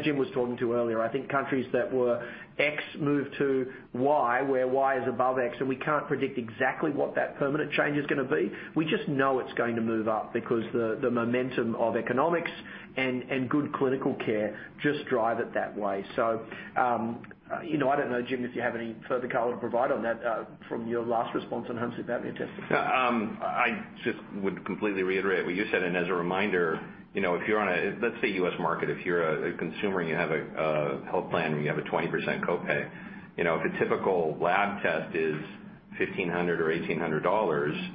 Jim was talking to earlier, I think countries that were X moved to Y, where Y is above X, and we can't predict exactly what that permanent change is going to be. We just know it's going to move up because the momentum of economics and good clinical care just drive it that way. I don't know, Jim, if you have any further color to provide on that from your last response on home sleep apnea testing. I just would completely reiterate what you said. As a reminder, if you're on a, let's say U.S. market, if you're a consumer and you have a health plan where you have a 20% copay. If a typical lab test is $1,500 or $1,800,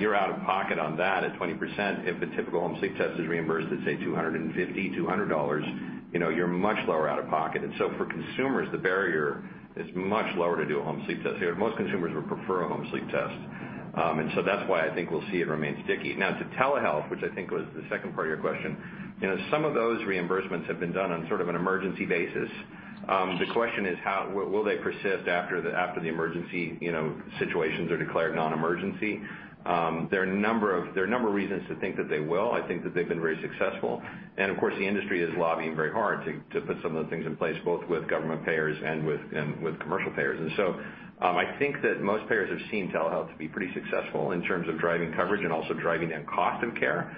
you're out of pocket on that at 20%. If a typical home sleep test is reimbursed at, say, $250, $200, you're much lower out of pocket. For consumers, the barrier is much lower to do a home sleep test. Most consumers would prefer a home sleep test. That's why I think we'll see it remain sticky. Now, to telehealth, which I think was the second part of your question. Some of those reimbursements have been done on sort of an emergency basis. The question is, will they persist after the emergency situations are declared non-emergency? There are a number of reasons to think that they will. I think that they've been very successful. Of course, the industry is lobbying very hard to put some of the things in place, both with government payers and with commercial payers. I think that most payers have seen telehealth to be pretty successful in terms of driving coverage and also driving down cost of care.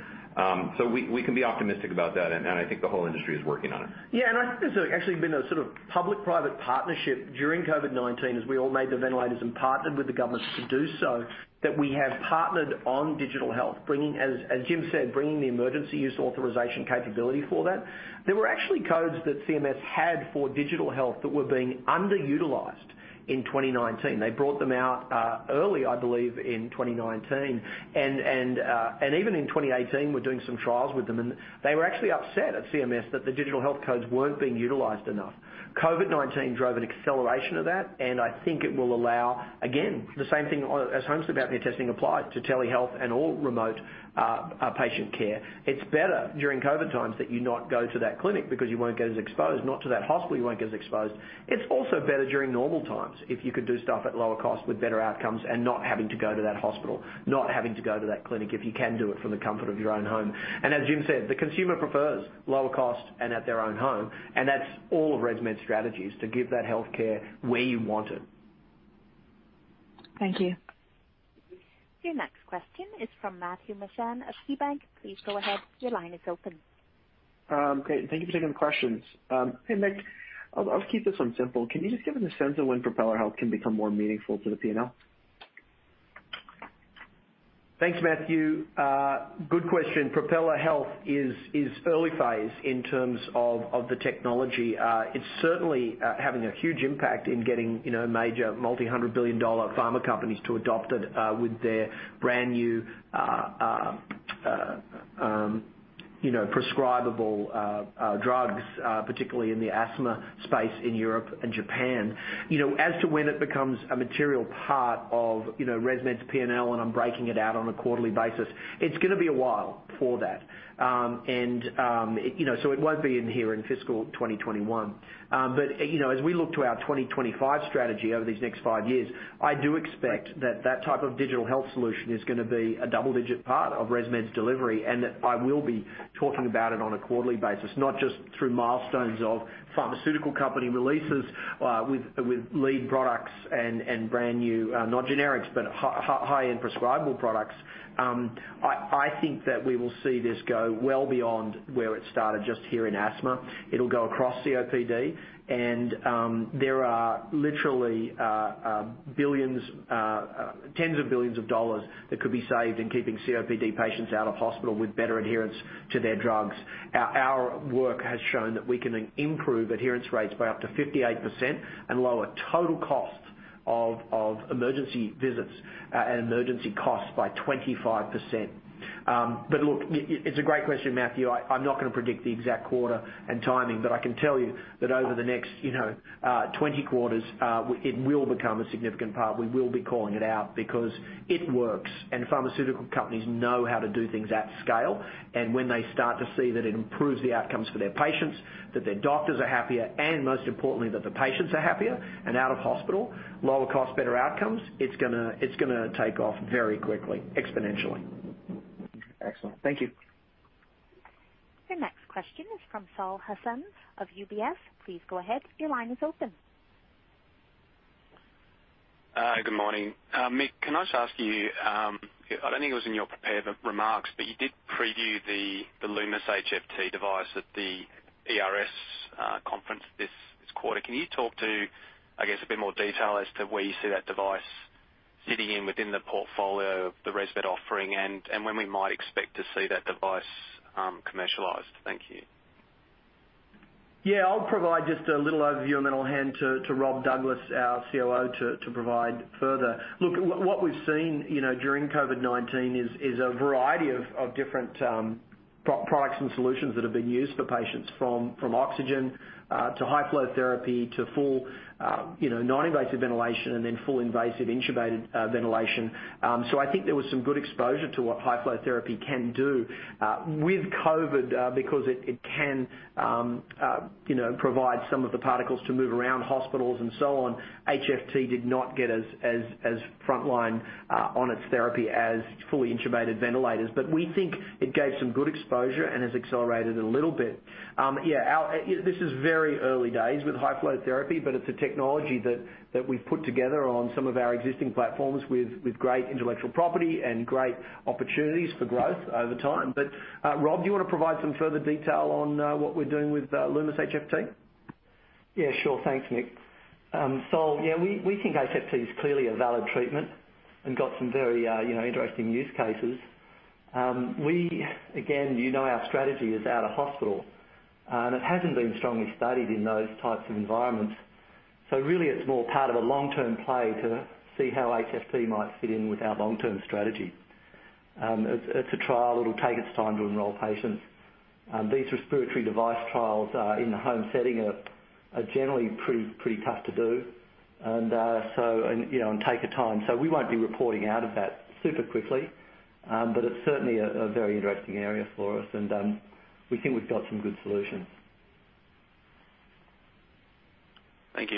We can be optimistic about that, and I think the whole industry is working on it. I think there's actually been a sort of public-private partnership during COVID-19 as we all made the ventilators and partnered with the governments to do so, that we have partnered on digital health. As Jim said, bringing the emergency use authorization capability for that. There were actually codes that CMS had for digital health that were being underutilized in 2019. They brought them out early, I believe, in 2019. Even in 2018, we're doing some trials with them, and they were actually upset at CMS that the digital health codes weren't being utilized enough. COVID-19 drove an acceleration of that, and I think it will allow, again, the same thing as home sleep apnea testing applies to telehealth and all remote patient care. It's better during COVID times that you not go to that clinic because you won't get as exposed, not to that hospital you won't get as exposed. It's also better during normal times if you could do stuff at lower cost with better outcomes and not having to go to that hospital, not having to go to that clinic, if you can do it from the comfort of your own home. As Jim said, the consumer prefers lower cost and at their own home, and that's all of ResMed's strategy is to give that healthcare where you want it. Thank you. Your next question is from Matthew Mishan of KeyBanc. Please go ahead. Your line is open. Great. Thank you for taking the questions. Hey, Mick, I'll keep this one simple. Can you just give us a sense of when Propeller Health can become more meaningful to the P&L? Thanks, Matthew. Good question. Propeller Health is early phase in terms of the technology. It's certainly having a huge impact in getting major multi-hundred billion-dollar pharma companies to adopt it with their brand-new prescribable drugs, particularly in the asthma space in Europe and Japan. I'm not breaking it out on a quarterly basis, it's going to be a while for that. It won't be in here in fiscal 2021. As we look to our 2025 strategy over these next five years, I do expect that that type of digital health solution is going to be a double-digit part of ResMed's delivery, and that I will be talking about it on a quarterly basis, not just through milestones of pharmaceutical company releases, with lead products and brand new, not generics, but high-end prescribable products. I think that we will see this go well beyond where it started just here in asthma. It'll go across COPD. There are literally tens of billions of dollars that could be saved in keeping COPD patients out of hospital with better adherence to their drugs. Our work has shown that we can improve adherence rates by up to 58% and lower total cost of emergency visits and emergency costs by 25%. Look, it's a great question, Matthew. I'm not going to predict the exact quarter and timing, but I can tell you that over the next 20 quarters, it will become a significant part. We will be calling it out because it works, and pharmaceutical companies know how to do things at scale. When they start to see that it improves the outcomes for their patients, that their doctors are happier, and most importantly, that the patients are happier and out of hospital, lower cost, better outcomes, it's going to take off very quickly, exponentially. Excellent. Thank you. Your next question is from Saul Hadassin of UBS. Please go ahead. Your line is open. Good morning. Mick, can I just ask you, I don't think it was in your prepared remarks, but you did preview the Lumis HFT device at the ERS conference this quarter. Can you talk to, I guess, a bit more detail as to where you see that device sitting in within the portfolio of the ResMed offering and when we might expect to see that device commercialized? Thank you. Yeah, I'll provide just a little overview, and then I'll hand to Rob Douglas, our COO, to provide further. Look, what we've seen during COVID-19 is a variety of different products and solutions that have been used for patients, from oxygen to high-flow therapy to non-invasive ventilation and then full invasive intubated ventilation. I think there was some good exposure to what high-flow therapy can do. With COVID, because it can provide some of the particles to move around hospitals and so on, HFT did not get as frontline on its therapy as fully intubated ventilators. We think it gave some good exposure and has accelerated a little bit. This is very early days with high-flow therapy, but it's a technology that we've put together on some of our existing platforms with great intellectual property and great opportunities for growth over time. Rob, do you want to provide some further detail on what we're doing with Lumis HFT? Sure. Thanks, Mick. Saul, we think HFT is clearly a valid treatment and got some very interesting use cases. Again, you know our strategy is out of hospital, and it hasn't been strongly studied in those types of environments. Really it's more part of a long-term play to see how HFT might fit in with our long-term strategy. It's a trial. It'll take its time to enroll patients. These respiratory device trials in the home setting are generally pretty tough to do and take their time. We won't be reporting out of that super quickly. It's certainly a very interesting area for us, and we think we've got some good solutions. Thank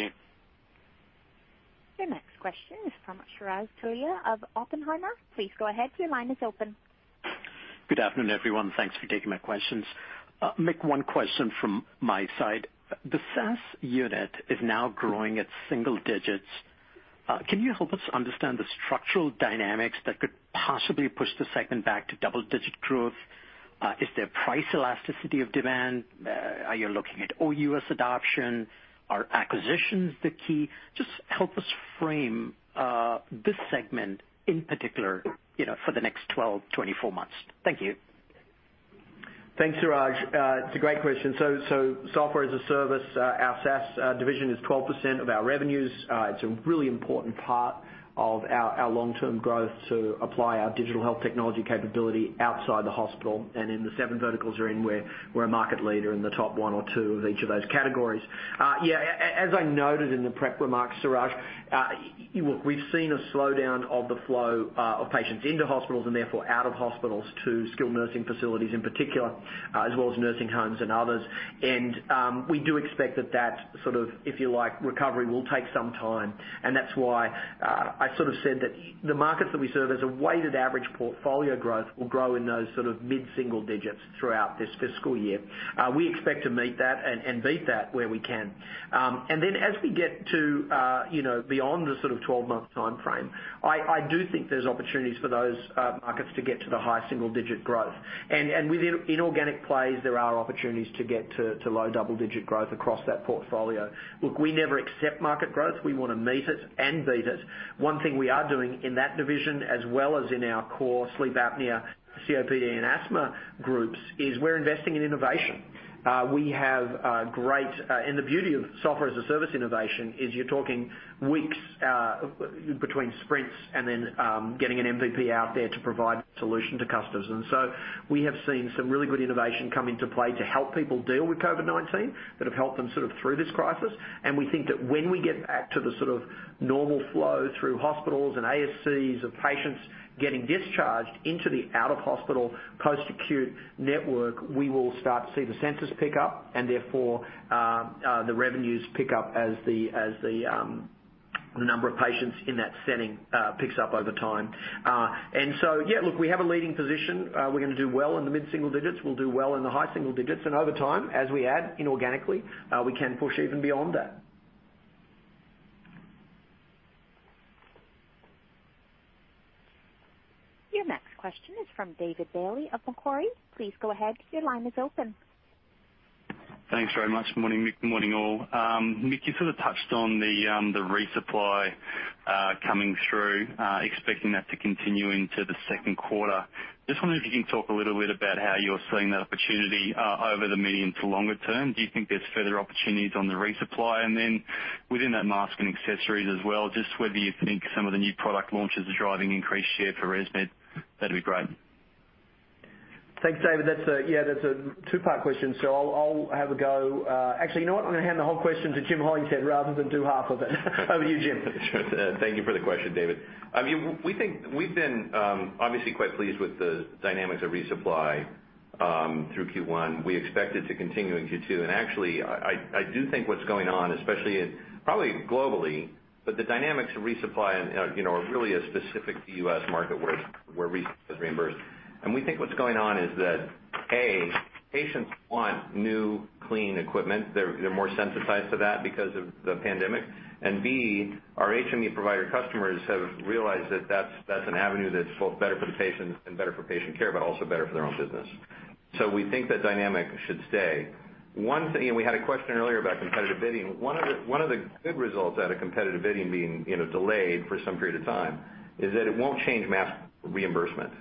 you. Your next question is from Suraj Kalia of Oppenheimer. Please go ahead. Your line is open. Good afternoon, everyone. Thanks for taking my questions. Mick, one question from my side. The SaaS unit is now growing at single digits. Can you help us understand the structural dynamics that could possibly push the segment back to double-digit growth? Is there price elasticity of demand? Are you looking at OUS adoption? Are acquisitions the key? Just help us frame this segment in particular for the next 12, 24 months. Thank you. Thanks, Suraj. It's a great question. Software as a service, our SaaS division is 12% of our revenues. It's a really important part of our long-term growth to apply our digital health technology capability outside the hospital and in the seven verticals we're in, we're a market leader in the top one or two of each of those categories. As I noted in the prep remarks, Suraj, we've seen a slowdown of the flow of patients into hospitals and therefore out of hospitals to skilled nursing facilities in particular, as well as nursing homes and others. We do expect that that sort of, if you like, recovery will take some time. That's why I sort of said that the markets that we serve as a weighted average portfolio growth will grow in those sort of mid-single digits throughout this fiscal year. We expect to meet that and beat that where we can. As we get to beyond the sort of 12-month timeframe, I do think there's opportunities for those markets to get to the high single-digit growth. With inorganic plays, there are opportunities to get to low double-digit growth across that portfolio. Look, we never accept market growth. We want to meet it and beat it. One thing we are doing in that division as well as in our core sleep apnea, COPD, and asthma groups, is we're investing in innovation. The beauty of software-as-a-service innovation is you're talking weeks between sprints and then getting an MVP out there to provide solution to customers. We have seen some really good innovation come into play to help people deal with COVID-19 that have helped them sort of through this crisis. We think that when we get back to the sort of. Normal flow through hospitals and ASCs of patients getting discharged into the out-of-hospital post-acute network, we will start to see the census pick up, and therefore, the revenues pick up as the number of patients in that setting picks up over time. Yeah, look, we have a leading position. We're going to do well in the mid-single digits. We'll do well in the high single digits. Over time, as we add inorganically, we can push even beyond that. Your next question is from David Bailey of Macquarie. Please go ahead. Your line is open. Thanks very much. Morning, Mick, and morning all. Mick, you sort of touched on the resupply coming through, expecting that to continue into the second quarter. Wondering if you can talk a little bit about how you're seeing that opportunity over the medium to longer term. Do you think there's further opportunities on the resupply? Within that mask and accessories as well, just whether you think some of the new product launches are driving increased share for ResMed? That'd be great. Thanks, David. That's a two-part question, so I'll have a go. Actually, you know what? I'm going to hand the whole question to Jim Hollingshead rather than do half of it. Over to you, Jim. Sure. Thank you for the question, David. We've been obviously quite pleased with the dynamics of resupply through Q1. We expect it to continue in Q2. Actually, I do think what's going on, especially probably globally, but the dynamics of resupply are really specific to the U.S. market where resupply is reimbursed. We think what's going on is that, A, patients want new, clean equipment. They're more sensitized to that because of the pandemic. B, our HME provider customers have realized that that's an avenue that's both better for the patient and better for patient care, but also better for their own business. We think that dynamic should stay. We had a question earlier about competitive bidding. One of the good results out of competitive bidding being delayed for some period of time is that it won't change mask reimbursement.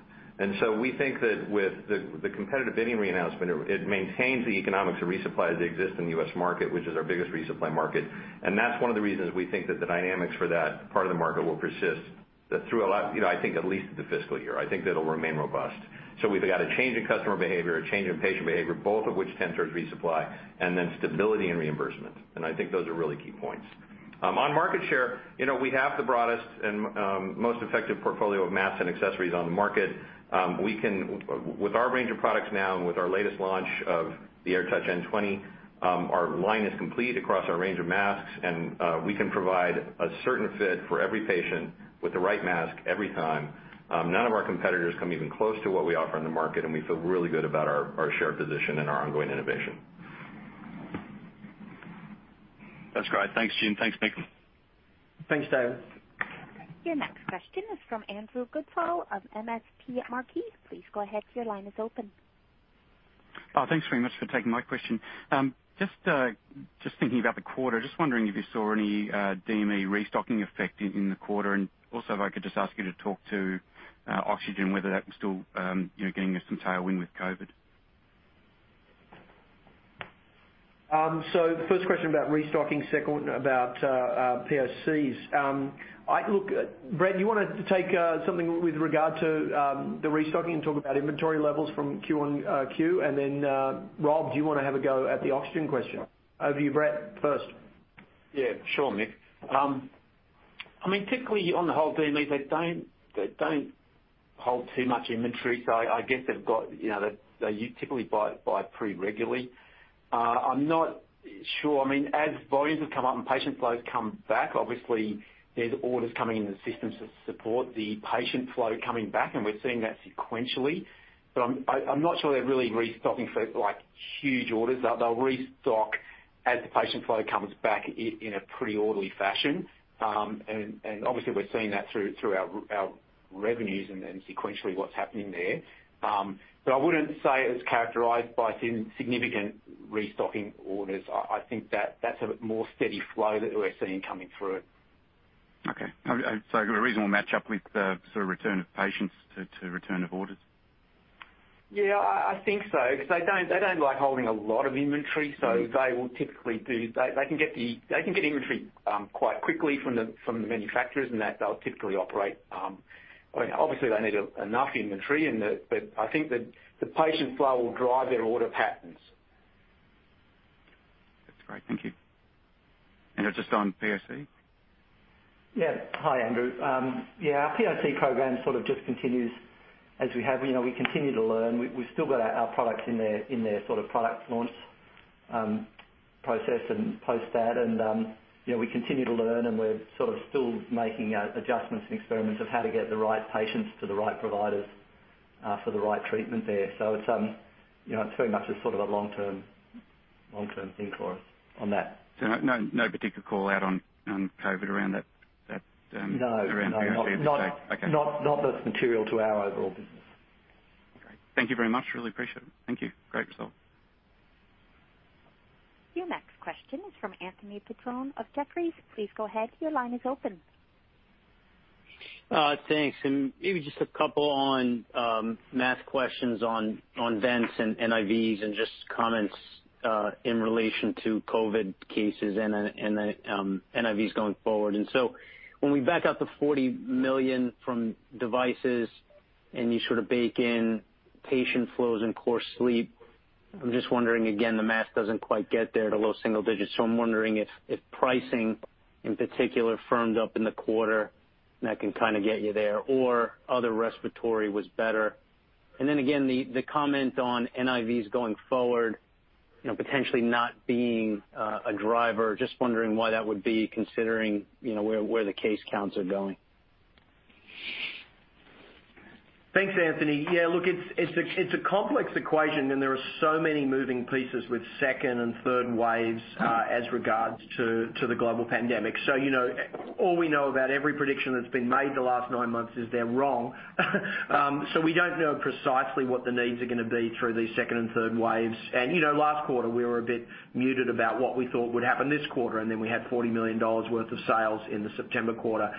We think that with the competitive bidding re-announcement, it maintains the economics of resupply as they exist in the U.S. market, which is our biggest resupply market. That's one of the reasons we think that the dynamics for that part of the market will persist through, I think, at least the fiscal year. I think that'll remain robust. We've got a change in customer behavior, a change in patient behavior, both of which tend towards resupply, and then stability in reimbursement. I think those are really key points. On market share, we have the broadest and most effective portfolio of masks and accessories on the market. With our range of products now and with our latest launch of the AirTouch N20, our line is complete across our range of masks. We can provide a certain fit for every patient with the right mask every time. None of our competitors come even close to what we offer in the market. We feel really good about our share position and our ongoing innovation. That's great. Thanks, Jim. Thanks, Mick. Thanks, David. Your next question is from Andrew Goodsall of MST Marquee. Please go ahead. Your line is open. Thanks very much for taking my question. Just thinking about the quarter, just wondering if you saw any DME restocking effect in the quarter, and also if I could just ask you to talk to oxygen, whether that was still getting you some tailwind with COVID. First question about restocking, second about POCs. Look, Brett, do you want to take something with regard to the restocking and talk about inventory levels from Q on Q? Rob, do you want to have a go at the oxygen question? Over to you, Brett, first. Yeah, sure, Mick. Typically, on the whole, DMEs, they don't hold too much inventory. I guess they typically buy pretty regularly. I'm not sure. As volumes have come up and patient flows come back, obviously there's orders coming in the system to support the patient flow coming back, and we're seeing that sequentially. I'm not sure they're really restocking for huge orders. They'll restock as the patient flow comes back in a pretty orderly fashion. Obviously, we're seeing that through our revenues and sequentially what's happening there. I wouldn't say it was characterized by significant restocking orders. I think that's a more steady flow that we're seeing coming through. Okay. A reasonable match up with the sort of return of patients to return of orders. Yeah, I think so, because they don't like holding a lot of inventory. They can get inventory quite quickly from the manufacturers, and they'll typically operate. Obviously, they need enough inventory, but I think that the patient flow will drive their order patterns. That's great. Thank you. Just on POC? Hi, Andrew. Our POC program sort of just continues as we have. We continue to learn. We've still got our products in their sort of product launch process and post that. We continue to learn, and we're sort of still making adjustments and experiments of how to get the right patients to the right providers for the right treatment there. It's very much a sort of a long-term thing for us on that. No particular call out on COVID around that. No. Okay. Not that's material to our overall business. Okay. Thank you very much. Really appreciate it. Thank you. Great result. Your next question is from Anthony Petrone of Jefferies. Please go ahead. Your line is open. Thanks. Maybe just a couple on mask questions on vents and NIVs and just comments in relation to COVID cases and then NIVs going forward. When we back out the $40 million from devices and you sort of bake in patient flows and core sleep I'm just wondering again, the mask doesn't quite get there to low single digits. I'm wondering if pricing in particular firmed up in the quarter and that can kind of get you there, or other respiratory was better? Then again, the comment on NIVs going forward, potentially not being a driver. Wondering why that would be, considering where the case counts are going? Thanks, Anthony. Yeah, look, it's a complex equation, and there are so many moving pieces with second and third waves as regards to the global pandemic. All we know about every prediction that's been made in the last nine months is they're wrong. We don't know precisely what the needs are going to be through these second and third waves. Last quarter, we were a bit muted about what we thought would happen this quarter, and then we had $40 million worth of sales in the September quarter.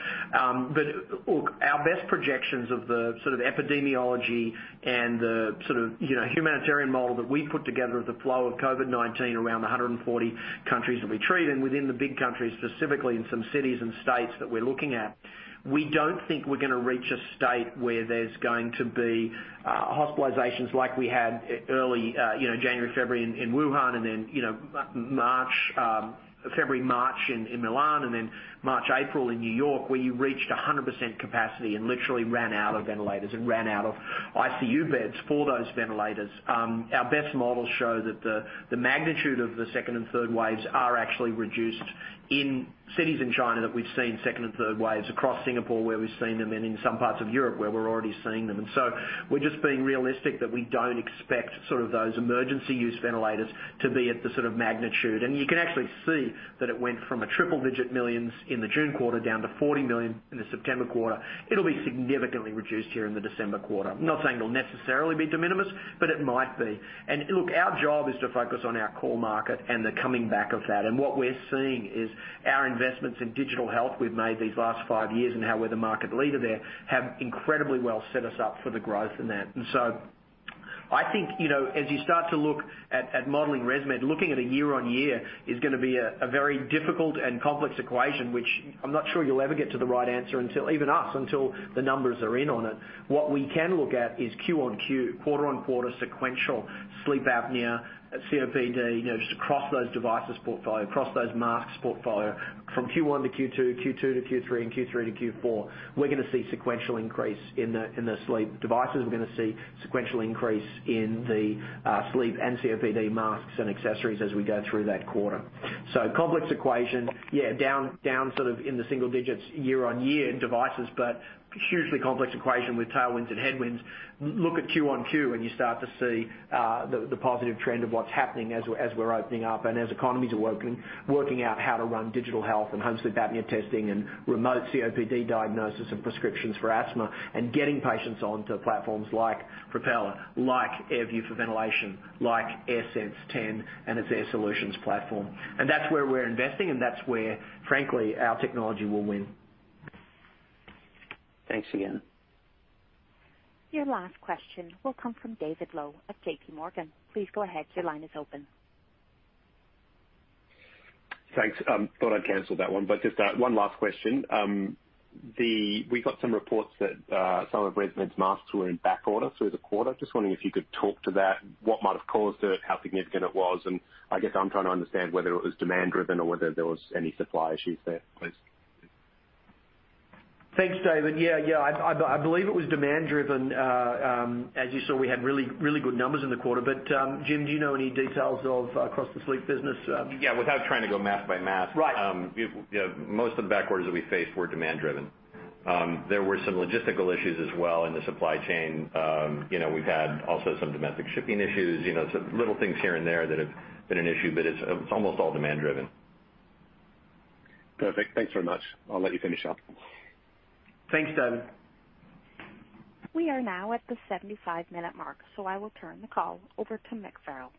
Look, our best projections of the sort of epidemiology and the humanitarian model that we put together of the flow of COVID-19 around the 140 countries that we trade in, within the big countries, specifically in some cities and states that we're looking at, we don't think we're going to reach a state where there's going to be hospitalizations like we had early January, February in Wuhan, and then February, March in Milan, and then March, April in New York, where you reached 100% capacity and literally ran out of ventilators and ran out of ICU beds for those ventilators. Our best models show that the magnitude of the second and third waves are actually reduced in cities in China that we've seen second and third waves, across Singapore, where we've seen them, and in some parts of Europe where we're already seeing them. We're just being realistic that we don't expect those emergency use ventilators to be at the sort of magnitude. You can actually see that it went from a triple-digit millions in the June quarter down to $40 million in the September quarter. It'll be significantly reduced here in the December quarter. I'm not saying it'll necessarily be de minimis, but it might be. Look, our job is to focus on our core market and the coming back of that. What we're seeing is our investments in digital health we've made these last five years, and how we're the market leader there, have incredibly well set us up for the growth in that. I think, as you start to look at modeling ResMed, looking at a year-on-year is going to be a very difficult and complex equation, which I'm not sure you'll ever get to the right answer, even us, until the numbers are in on it. What we can look at is Q-on-Q, quarter-on-quarter sequential sleep apnea, COPD, just across those devices portfolio, across those masks portfolio from Q1 to Q2 to Q3, and Q3 to Q4. We're going to see sequential increase in the sleep devices. We're going to see sequential increase in the sleep and COPD masks and accessories as we go through that quarter. Complex equation. Yeah, down sort of in the single digits year-on-year in devices, but hugely complex equation with tailwinds and headwinds. Look at Q-on-Q and you start to see the positive trend of what's happening as we're opening up and as economies are working out how to run digital health and home sleep apnea testing and remote COPD diagnosis and prescriptions for asthma, and getting patients onto platforms like Propeller, like AirView for Ventilation, like AirSense 10 and its Air Solutions platform. That's where we're investing, and that's where, frankly, our technology will win. Thanks again. Your last question will come from David Low of JP Morgan. Thanks. Thought I'd canceled that one. Just one last question. We got some reports that some of ResMed's masks were in backorder through the quarter. Just wondering if you could talk to that, what might have caused it, how significant it was, and I guess I'm trying to understand whether it was demand-driven or whether there was any supply issues there, please. Thanks, David. Yeah. I believe it was demand-driven. As you saw, we had really good numbers in the quarter. Jim, do you know any details across the sleep business? Yeah. Right Most of the backorders that we faced were demand-driven. There were some logistical issues as well in the supply chain. We've had also some domestic shipping issues. Some little things here and there that have been an issue, but it's almost all demand-driven. Perfect. Thanks very much. I'll let you finish up. Thanks, David. We are now at the 75-minute mark, so I will turn the call over to Mick Farrell.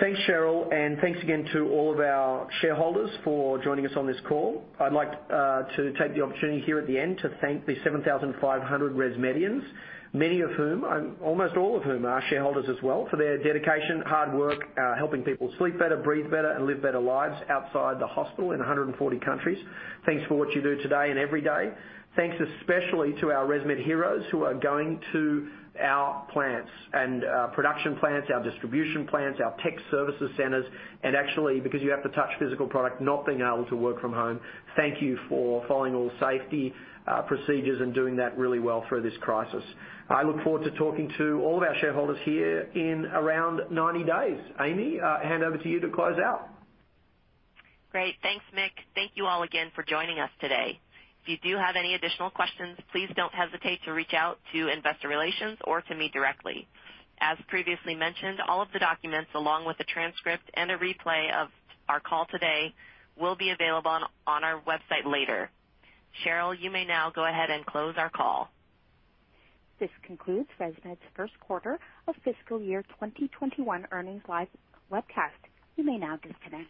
Thanks, Cheryl, thanks again to all of our shareholders for joining us on this call. I'd like to take the opportunity here at the end to thank the 7,500 ResMedians, almost all of whom are shareholders as well, for their dedication, hard work, helping people sleep better, breathe better, and live better lives outside the hospital in 140 countries. Thanks for what you do today and every day. Thanks especially to our ResMed heroes who are going to our plants and our production plants, our distribution plants, our tech services centers, and actually, because you have to touch physical product, not being able to work from home. Thank you for following all the safety procedures and doing that really well through this crisis. I look forward to talking to all of our shareholders here in around 90 days. Amy, hand over to you to close out. Great. Thanks, Mick. Thank you all again for joining us today. If you do have any additional questions, please don't hesitate to reach out to investor relations or to me directly. As previously mentioned, all of the documents, along with a transcript and a replay of our call today, will be available on our website later. Cheryl, you may now go ahead and close our call. This concludes ResMed's first quarter of fiscal year 2021 earnings live webcast. You may now disconnect.